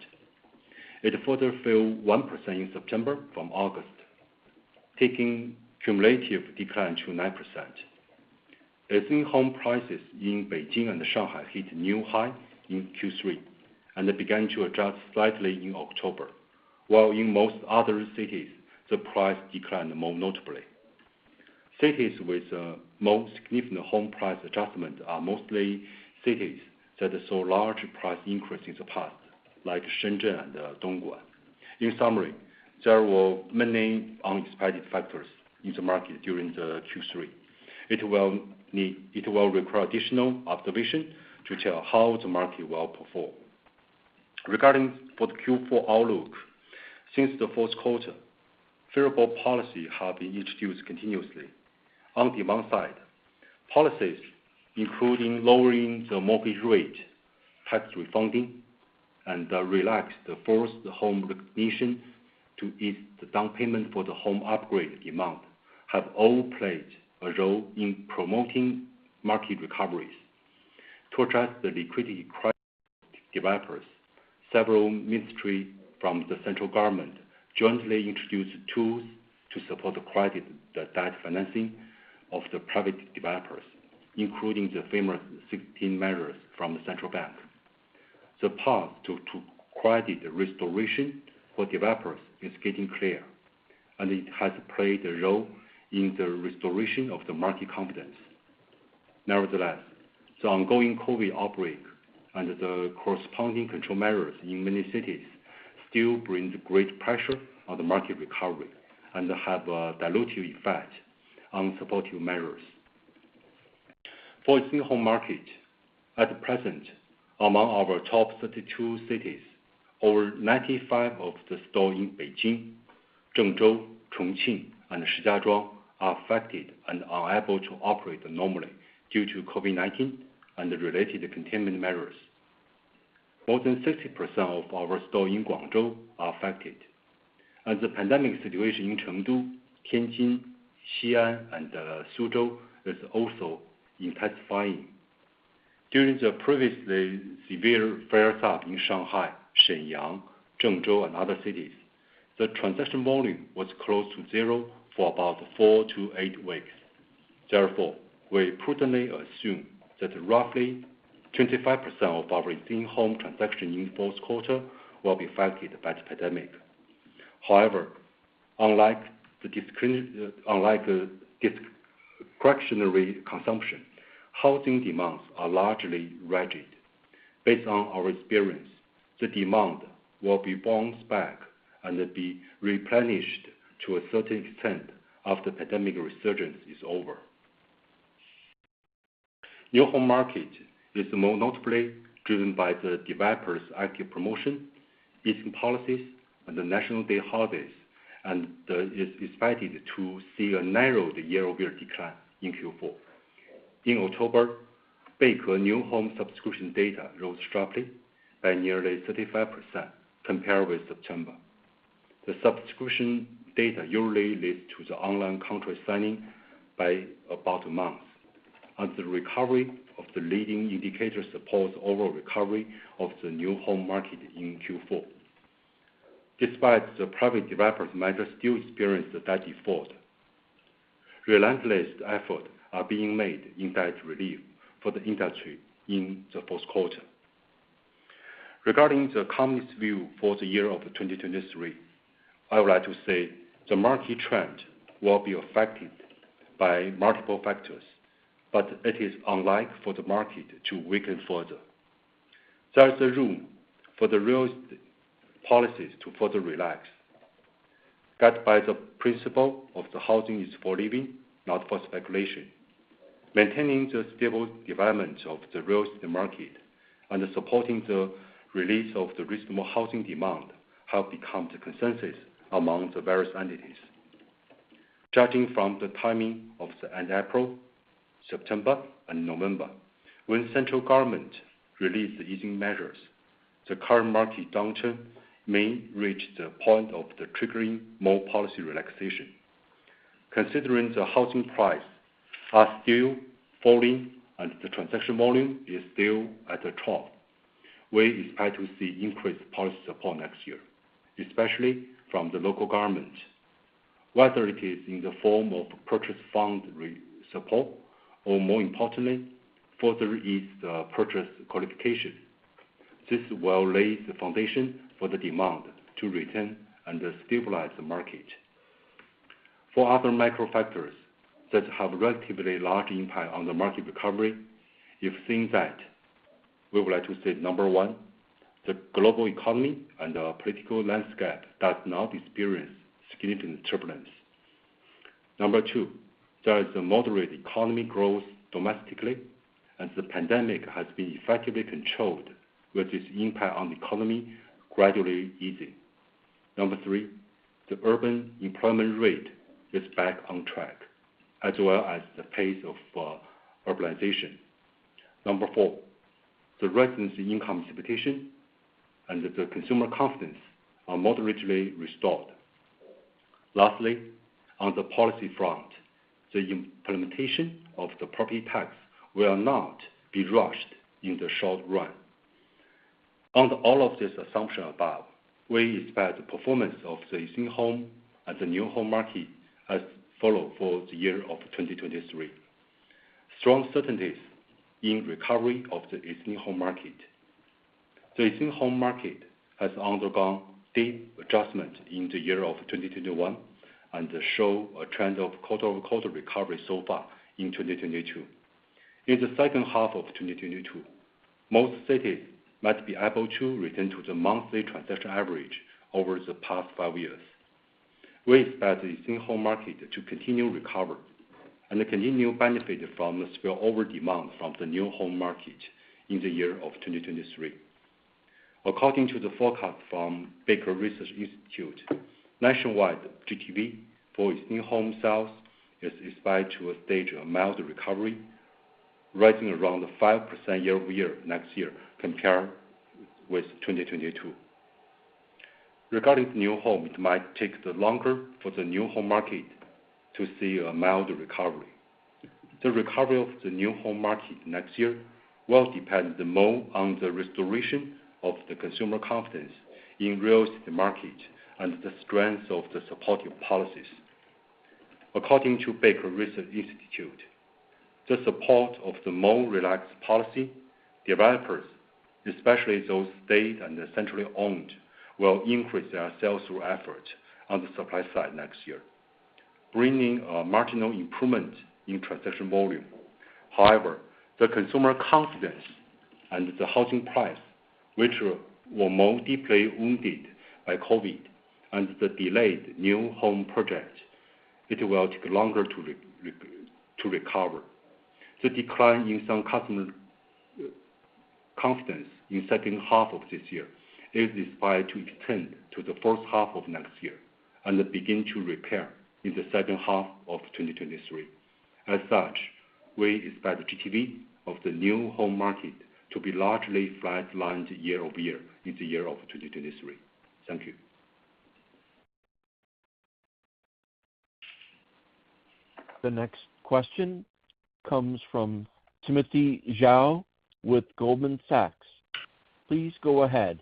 It further fell 1% in September from August, taking cumulative decline to 9%. The existing home prices in Beijing and Shanghai hit a new high in Q3, and it began to adjust slightly in October, while in most other cities, the price declined more notably. Cities with more significant home price adjustments are mostly cities that saw large price increase in the past, like Shenzhen and Dongguan. In summary, there were many unexpected factors in the market during the Q3. It will require additional observation to tell how the market will perform. Regarding for the Q4 outlook, since the first quarter, favorable policies have been introduced continuously. On demand side, policies including lowering the mortgage rate, tax refunding, and relax the first home recognition to ease the down payment for the home upgrade amount, have all played a role in promoting market recoveries. To address the liquidity crisis of developers, several ministry from the central government jointly introduced tools to support the credit, the debt financing of the private developers, including the famous 16 measures from the central bank. The path to credit restoration for developers is getting clear. It has played a role in the restoration of the market confidence. Nevertheless, the ongoing COVID outbreak and the corresponding control measures in many cities still bring great pressure on the market recovery and have a dilutive effect on supportive measures. For existing home market, at present, among our top 32 cities, over 95% of the stores in Beijing, Zhengzhou, Chongqing, and Shijiazhuang are affected and are unable to operate normally due to COVID-19 and the related containment measures. More than 60% of our stores in Guangzhou are affected, and the pandemic situation in Chengdu, Tianjin, Xi'an, and Suzhou is also intensifying. During the previously severe flare-up in Shanghai, Shenyang, Zhengzhou, and other cities, the transaction volume was close to zero for about four to eight weeks. Therefore, we prudently assume that roughly 25% of our existing home transactions in fourth quarter will be affected by the pandemic. However, unlike the discretionary consumption, housing demands are largely rigid. Based on our experience, the demand will be bounce back and be replenished to a certain extent after pandemic resurgence is over. New home market is more notably driven by the developers' active promotion, easing policies, and the National Day holidays, and is expected to see a narrowed year-over-year decline in Q4. In October, Beike new home subscription data rose sharply by nearly 35% compared with September. The subscription data usually leads to the online contract signing by about a month. The recovery of the leading indicators supports overall recovery of the new home market in Q4. Despite the private developers might still experience the debt default, relentless efforts are being made in debt relief for the industry in the fourth quarter. Regarding the company's view for the year of 2023, I would like to say the market trend will be affected by multiple factors. It is unlike for the market to weaken further. There is room for the real estate policies to further relax. Guided by the principle of the housing is for living, not for speculation, maintaining the stable development of the real estate market and supporting the release of the reasonable housing demand have become the consensus among the various entities. Judging from the timing of the end of April, September and November, when central government released the easing measures, the current market downturn may reach the point of the triggering more policy relaxation. Considering the housing prices are still falling, and the transaction volume is still at a trough, we expect to see increased policy support next year, especially from the local government. Whether it is in the form of purchase fund support, or more importantly, further ease the purchase qualification. This will lay the foundation for the demand to return and stabilize the market. For other micro factors that have relatively large impact on the market recovery, you've seen that, we would like to say, Number one, the global economy and our political landscape does not experience significant turbulence. Number two, there is a moderate economy growth domestically, and the pandemic has been effectively controlled, with its impact on the economy gradually easing. Number three, the urban employment rate is back on track, as well as the pace of urbanization. Number four, the residents' income expectation and the consumer confidence are moderately restored. Lastly, on the policy front, the implementation of the property tax will not be rushed in the short run. Under all of this assumptions above, we expect the performance of the existing home and the new home market as follows for the year of 2023. Strong certainties in recovery of the existing home market. The existing home market has undergone deep adjustment in the year of 2021 and shows a trend of quarter-over-quarter recovery so far in 2022. In the second half of 2022, most cities might be able to return to the monthly transaction average over the past five years. We expect the existing home market to continue recover and continue to benefit from the spillover demand from the new home market in the year of 2023. According to the forecast from Beike Research Institute, nationwide GTV for existing home sales is expected to stage a mild recovery, rising around 5% year-over-year next year compared with 2022. Regarding new home, it might take longer for the new home market to see a mild recovery. The recovery of the new home market next year will depend more on the restoration of the consumer confidence in real estate market and the strength of the supportive policies. According to Beike Research Institute, the support of the more relaxed policy, developers, especially those state and the centrally owned, will increase their sales through efforts on the supply side next year, bringing a marginal improvement in transaction volume. However, the consumer confidence and the housing price, which were more deeply wounded by COVID-19 and the delayed new home project, will take longer to recover. The decline in some customer confidence in second half of this year is expected to extend to the first half of next year and begin to repair in the second half of 2023. As such, we expect the GTV of the new home market to be largely flat-lined year-over-year in the year of 2023. Thank you. The next question comes from Timothy Zhao with Goldman Sachs. Please go ahead.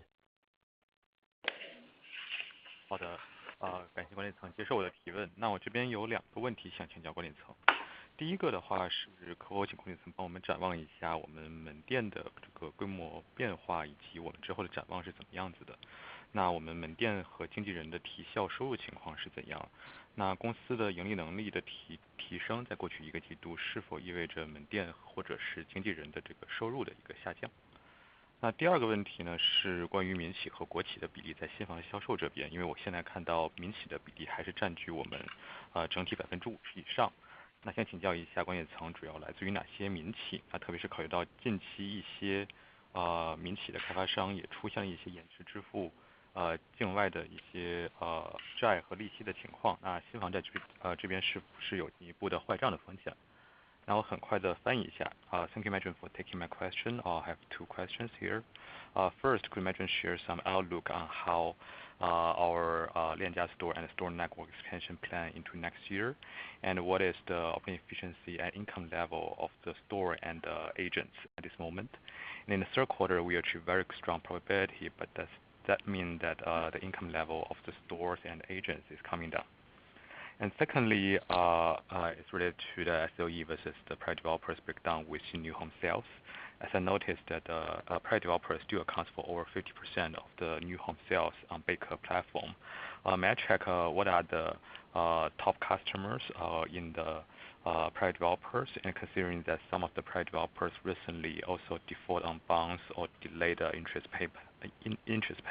Thank you, management for taking my question. I have two questions here. First, could management share some outlook on how our Lianjia store and store network expansion plan into next year? What is the operating efficiency and income level of the store and agents at this moment? In the third quarter, we achieved very strong profitability, but does that mean that the income level of the stores and agents is coming down? Secondly, it's related to the SOE versus the private developers breakdown, which is new home sales. As I noticed that private developers do account for over 50% of the new home sales on Beike platform. May I check what are the top customers in the private developers? Considering that some of the private developers recently also default on bonds or delay the interest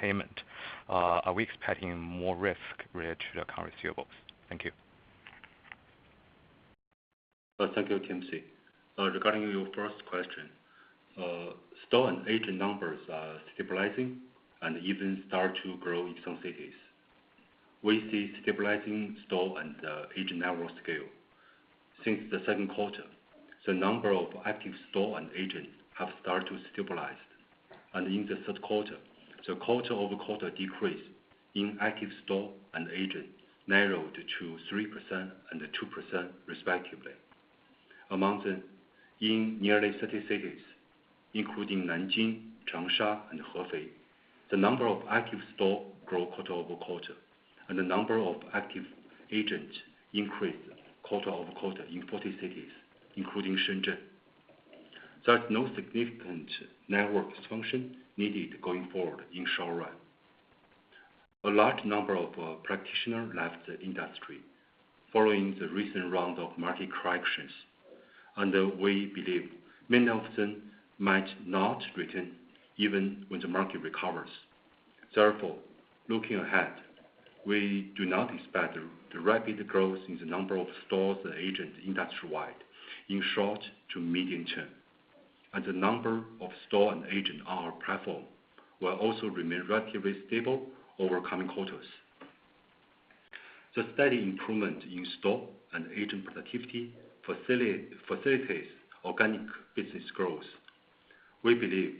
payment, are we expecting more risk related to the account receivable? Thank you. Thank you, Timothy. Regarding your first question, store and agent numbers are stabilizing and even start to grow in some cities. We see stabilizing store and agent network scale. Since the second quarter, the number of active stores and agents have started to stabilize. In the third quarter, the quarter-over-quarter decrease in active stores and agents narrowed to 3% and 2%, respectively. In nearly 30 cities, including Nanjing, Changsha, and Hefei, the number of active store grow quarter-over-quarter, and the number of active agents increased quarter-over-quarter in 40 cities, including Shenzhen. There's no significant network function needed going forward in short run. A large number of practitioners left the industry following the recent round of market corrections. We believe many of them might not return even when the market recovers. Therefore, looking ahead, we do not expect the rapid growth in the number of stores and agents industry-wide in short to medium term. The number of stores and agents on our platform will also remain relatively stable over coming quarters. The steady improvement in store and agent productivity facilitates organic business growth. We believe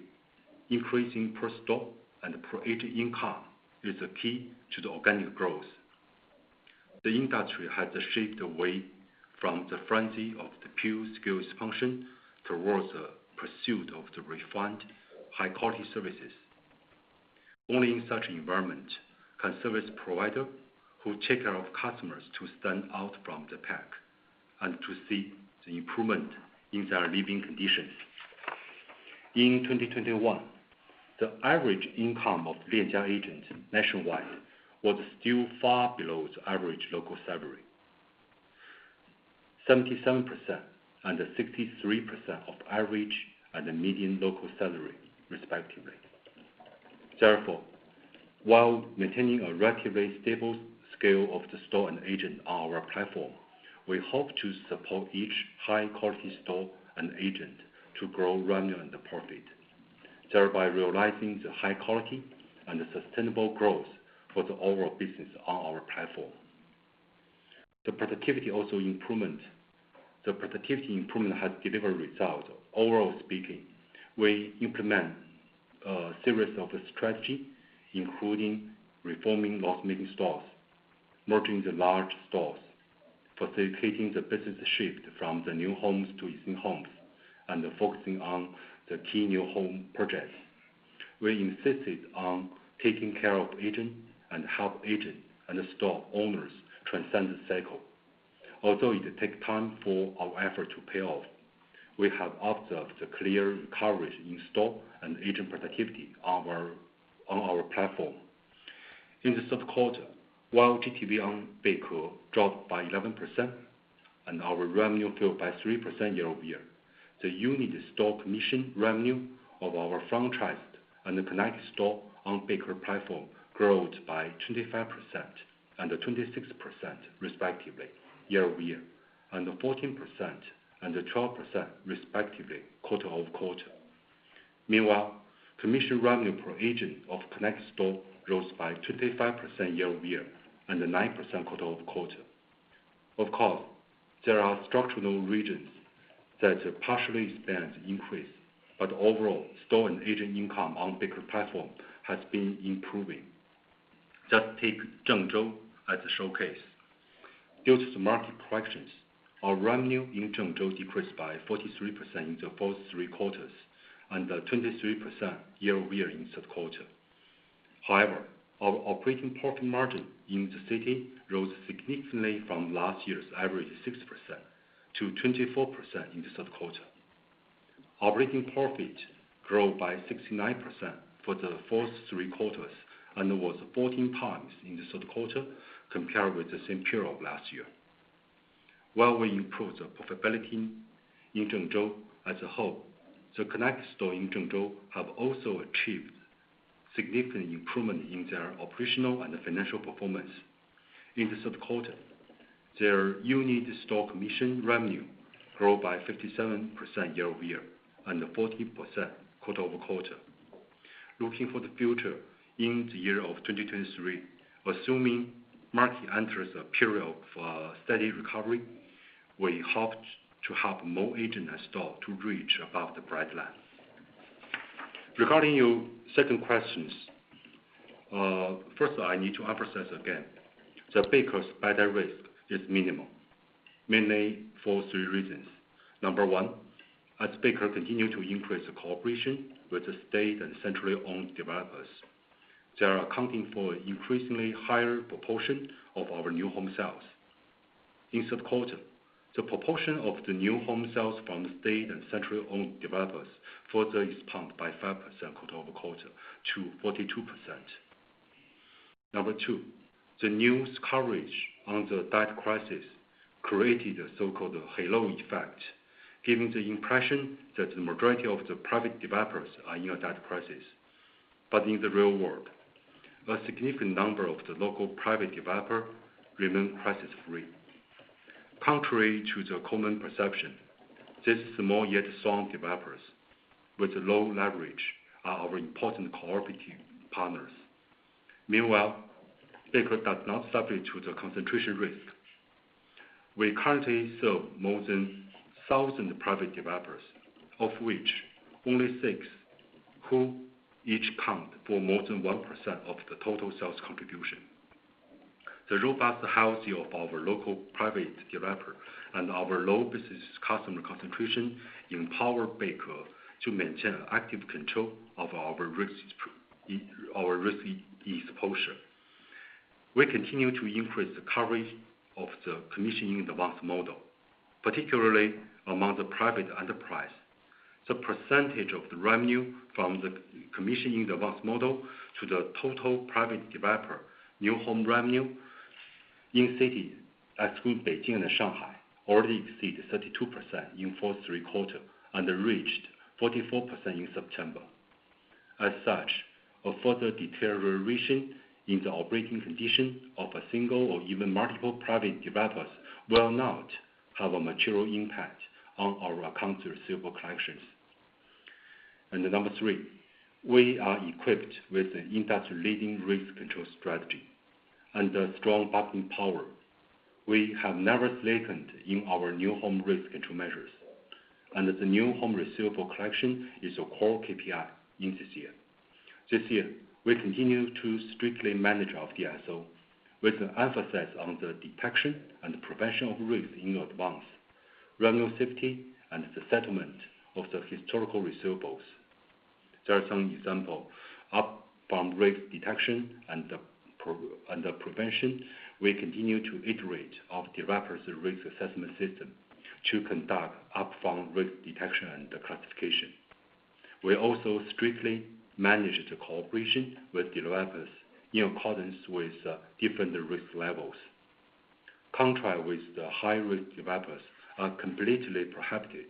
increasing per-store and per-agent income is the key to the organic growth. The industry has shifted away from the frenzy of the pure skills function towards the pursuit of the refined high-quality services. Only in such environment can service provider who takes care of customers to stand out from the pack, and to see the improvement in their living conditions. In 2021, the average income of Lianjia agent nationwide was still far below the average local salary. 77% and 63% of average at the median local salary, respectively. Therefore, while maintaining a relatively stable scale of the store and agent on our platform, we hope to support each high-quality store and agent to grow revenue and the profit, thereby realizing the high quality and sustainable growth for the overall business on our platform. The productivity improvement has delivered results. Overall speaking, we implement a series of strategies, including reforming loss-making stores, merging the large stores, facilitating the business shift from the new homes to existing homes, and focusing on the key new home projects. We insisted on taking care of agent and help agent and store owners transcend the cycle. Although it takes time for our effort to pay off, we have observed the clear recovery in store and agent productivity on our platform. In the third quarter, while GTV on Beike dropped by 11% and our revenue fell by 3% year-over-year, the unit store commission revenue of our franchised and the connected store on Beike platform grows by 25% and 26% respectively year-over-year, and 14% and 12% respectively, quarter-over-quarter. Meanwhile, commission revenue per agent of connected store rose by 25% year-over-year and 9% quarter-over-quarter. There are structural reasons that partially explain the increase, but overall, store and agent income on Beike platform has been improving. Just take Zhengzhou as a showcase. Due to the market corrections, our revenue in Zhengzhou decreased by 43% in the first three quarters and 23% year-over-year in third quarter. Our operating profit margin in the city rose significantly from last year's average 6% to 24% in the third quarter. Operating profit grew by 69% for the first three quarters and was 14 times in the third quarter compared with the same period of last year. While we improve the profitability in Zhengzhou as a whole, the connected store in Zhengzhou have also achieved significant improvement in their operational and financial performance. In the third quarter, their unit store commission revenue grew by 57% year-over-year and 14% quarter-over-quarter. Looking for the future, in the year of 2023, assuming market enters a period of steady recovery, we hope to help more agents and stores to reach above the breakeven. Regarding your second question, first, I need to emphasize again that Beike's buyer risk is minimal, mainly for three reasons. Number one, as Beike continues to increase the cooperation with the state and centrally owned developers, they are accounting for increasingly higher proportion of our new home sales. In third quarter, the proportion of the new home sales from the state and centrally owned developers further expanded by 5% quarter-over-quarter to 42%. Number two, the news coverage on the debt crisis created a so-called halo effect, giving the impression that the majority of the private developers are in a debt crisis. In the real world-A significant number of the local private developer remain crisis free. Contrary to the common perception, these small yet strong developers with low leverage are our important cooperative partners. Meanwhile, Beike does not subject to the concentration risk. We currently serve more than 1,000 private developers, of which only six who each count for more than 1% of the total sales contribution. The robust health of our local private developer and our low business customer concentration empower Beike to maintain active control of our risk exposure. We continue to increase the coverage of the commissioning-advance model, particularly among the private enterprises. The percentage of the revenue from the commission in the advance model to the total private developer new home revenue in cities excluding Beijing and Shanghai, already exceeded 32% in first three quarters and reached 44% in September. A further deterioration in the operating condition of a single or even multiple private developers will not have a material impact on our accounts receivable collections. Number three, we are equipped with an industry-leading risk control strategy and a strong bargaining power. We have never slackened in our new home risk control measures, and the new home receivable collection is a core KPI in this year. This year, we continue to strictly manage of DSO, with an emphasis on the detection and prevention of risks in advance, revenue safety, and the settlement of the historical receivables. There are some examples. Upfront risk detection and the prevention, we continue to iterate our developers' risk assessment system to conduct upfront risk detection and classification. We also strictly manage the cooperation with developers in accordance with different risk levels. Contracts with the high-risk developers are completely prohibited,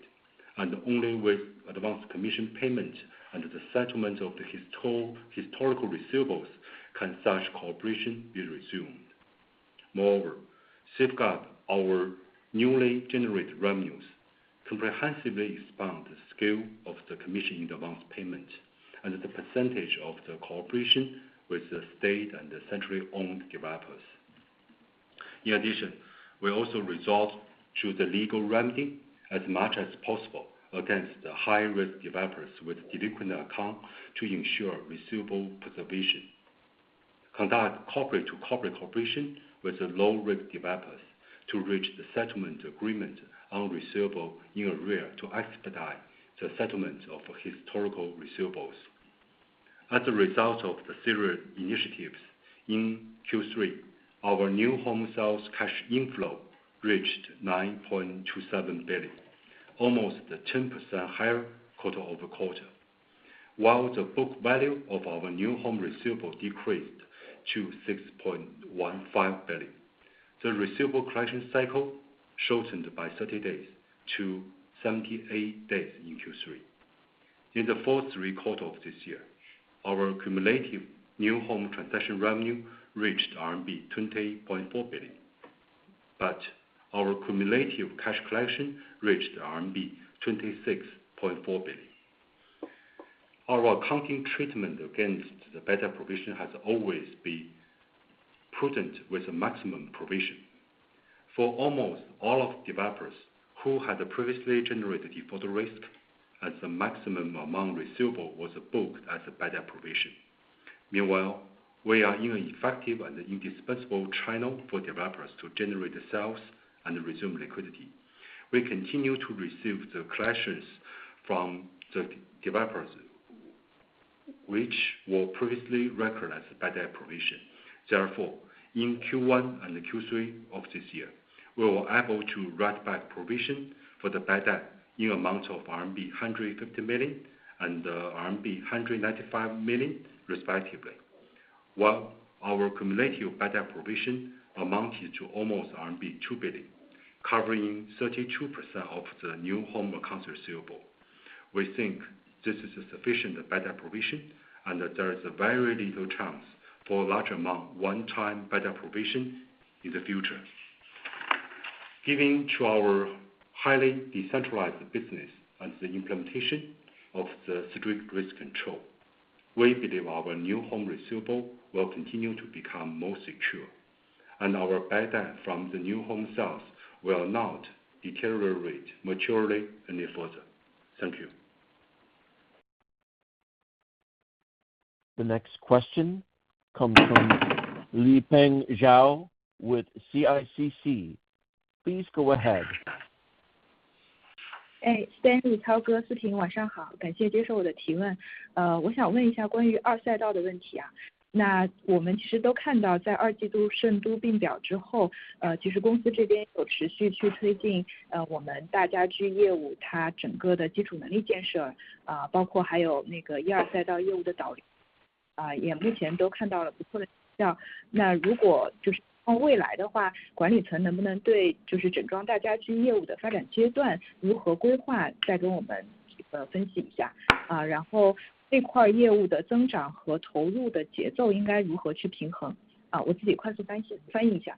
and only with advanced commission payment and the settlement of the historical receivables can such cooperation be resumed. Safeguard our newly generated revenues, comprehensively expand the scale of the commission in advance payment, and the percentage of the cooperation with the state and the centrally owned developers. We also resolve through the legal remedy as much as possible against the high-risk developers with delinquent accounts to ensure receivable preservation. Conduct corporate-to-corporate cooperation with the low-risk developers to reach the settlement agreement on receivables in arrear to expedite the settlement of historical receivables. As a result of the serious initiatives, in Q3, our new home sales cash inflow reached 9.27 billion, almost 10% higher quarter-over-quarter. While the book value of our new home receivable decreased to 6.15 billion. The receivable collection cycle shortened by 30 days to 78 days in Q3. In the first three quarters of this year, our cumulative new home transaction revenue reached RMB 20.4 billion, our cumulative cash collection reached RMB 26.4 billion. Our accounting treatment against the bad debt provision has always been prudent, with a maximum provision. For almost all of the developers who had previously generated default risk, as the maximum amount receivable was booked as a bad debt provision. Meanwhile, we are an effective and indispensable channel for developers to generate sales and resume liquidity. We continue to receive the collections from the developers, which were previously recognized bad debt provision. In Q1 and Q3 of this year, we were able to write back provisions for the bad debt in amounts of RMB 150 million and RMB 195 million, respectively. While our cumulative bad debt provision amounted to almost RMB 2 billion, covering 32% of the new home accounts receivable. We think this is a sufficiently bad debt provision, and there is very little chance for large amount one-time bad debt provision in the future. Given to our highly decentralized business and the implementation of the strict risk control, we believe our new home receivable will continue to become more secure, and our bad debt from the new home sales will not deteriorate materially any further. Thank you. The next question comes from Liping Zhao with CICC. Please go ahead. 分析一 下， 然后这块业务的增长和投入的节奏应该如何去平衡。好， 我自己快速翻译一下。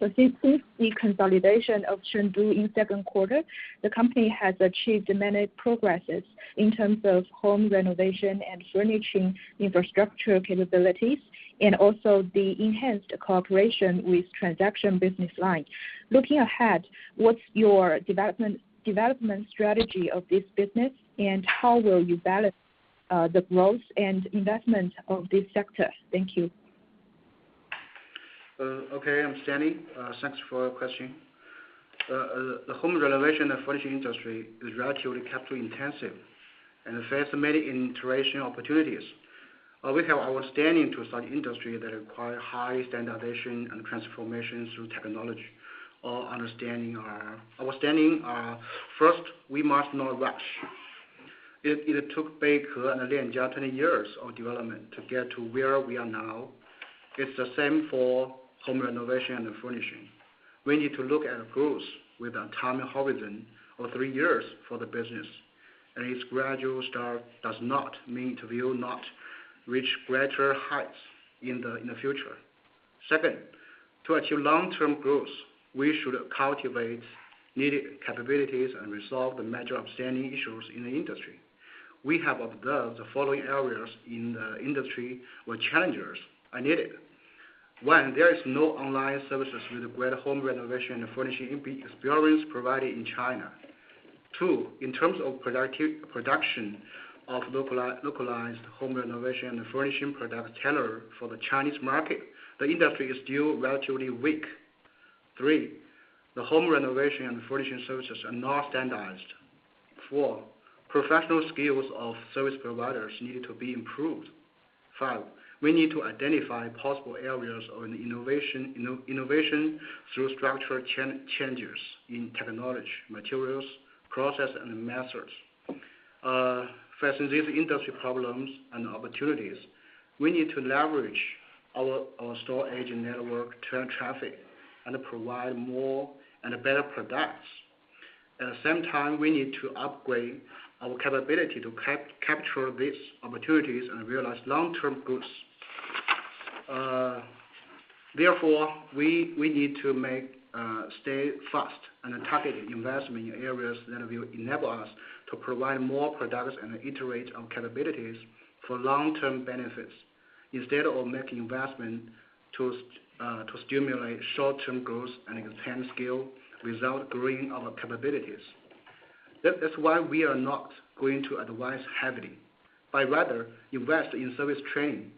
Since the consolidation of Chengdu in second quarter, the company has achieved many progresses in terms of home renovation and furnishing infrastructure capabilities, and also the enhanced cooperation with transaction business line. Looking ahead, what's your development strategy of this business, and how will you balance the growth and investment of this sector? Thank you. Okay. Thanks for your question. The home renovation and furnishing industry is relatively capital-intensive, and there's many iteration opportunities. We have outstanding to such industry that requires high standardization and transformation through technology or understanding our. Understanding, first, we must not rush. It took Beike and Lianjia 20 years of development to get to where we are now. It's the same for home renovation and furnishing. We need to look at growth with a time horizon of three years for the business. Its gradual start does not mean it will not reach greater heights in the future. Second, to achieve long-term growth, we should cultivate needed capabilities and resolve the major outstanding issues in the industry. We have observed the following areas in the industry where challengers are needed. One, there is no online services with great home renovation and furnishing experience provided in China. Two, in terms of production of localized home renovation and furnishing products tailored for the Chinese market, the industry is still relatively weak. Three, the home renovation and furnishing services are not standardized. Four, professional skills of service providers need to be improved. Five, we need to identify possible areas of innovation through structural changes in technology, materials, process, and methods. Facing these industry problems and opportunities, we need to leverage our store agent network to turn traffic and provide more and better products. At the same time, we need to upgrade our capability to capture these opportunities and realize long-term growth. Therefore, we need to make stay fast and targeted investment in areas that will enable us to provide more products and iterate on capabilities for long-term benefits, instead of making investment to stimulate short-term growth and expand scale without growing our capabilities. That is why we are not going to advertise heavily, but rather invest in service training.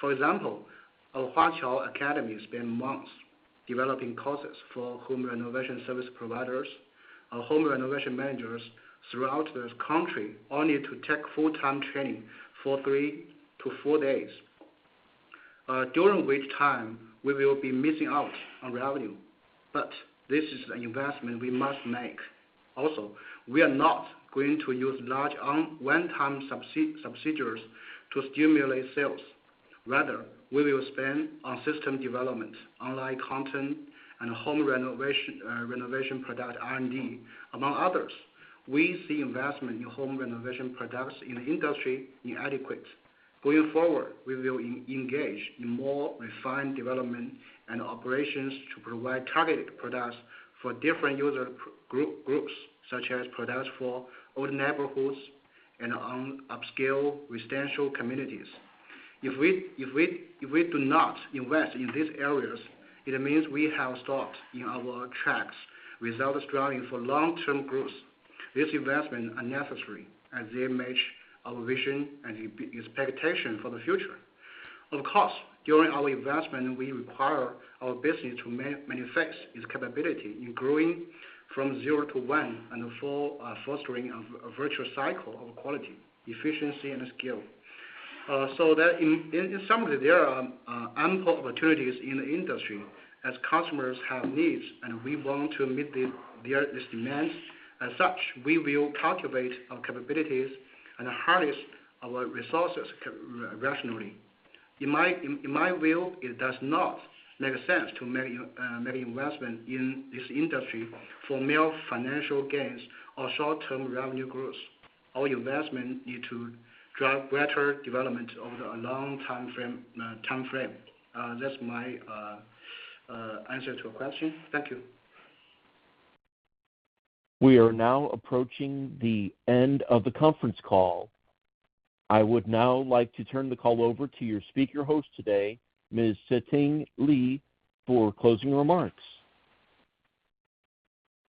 For example, our Huaqiao Academy spent months developing courses for home renovation service providers. Our home renovation managers throughout the country all need to take full-time training for three to four days, during which time we will be missing out on revenue. This is an investment we must make. We are not going to use large one-time subsidies to stimulate sales. We will spend on system development, online content, and home renovation product R&D, among others. We see investment in home renovation products in the industry inadequate. Going forward, we will engage in more refined development and operations to provide targeted products for different user groups, such as products for old neighborhoods and on upscale residential communities. If we do not invest in these areas, it means we have stopped in our tracks without striving for long-term growth. These investments are necessary as they match our vision and expectations for the future. Of course, during our investment, we require our business to manifest its capability in growing from zero to one and fostering a virtuous cycle of quality, efficiency and scale. In summary, there are ample opportunities in the industry as customers have needs, and we want to meet these demands. As such, we will cultivate our capabilities and harness our resources rationally. In my view, it does not make sense to make investment in this industry for mere financial gains or short-term revenue growth. Our investment needs to drive greater development over a long time frame. That's my answer to your question. Thank you. We are now approaching the end of the conference call. I would now like to turn the call over to your speaker host today, Ms. Siting Li, for closing remarks.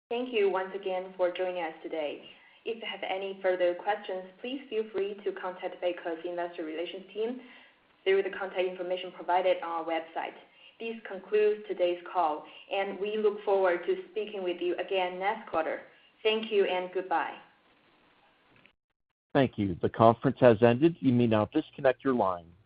Thank you once again for joining us today. If you have any further questions, please feel free to contact Beike's investor relations team through the contact information provided on our website. This concludes today's call, and we look forward to speaking with you again next quarter. Thank you and goodbye. Thank you. The conference has ended. You may now disconnect your line.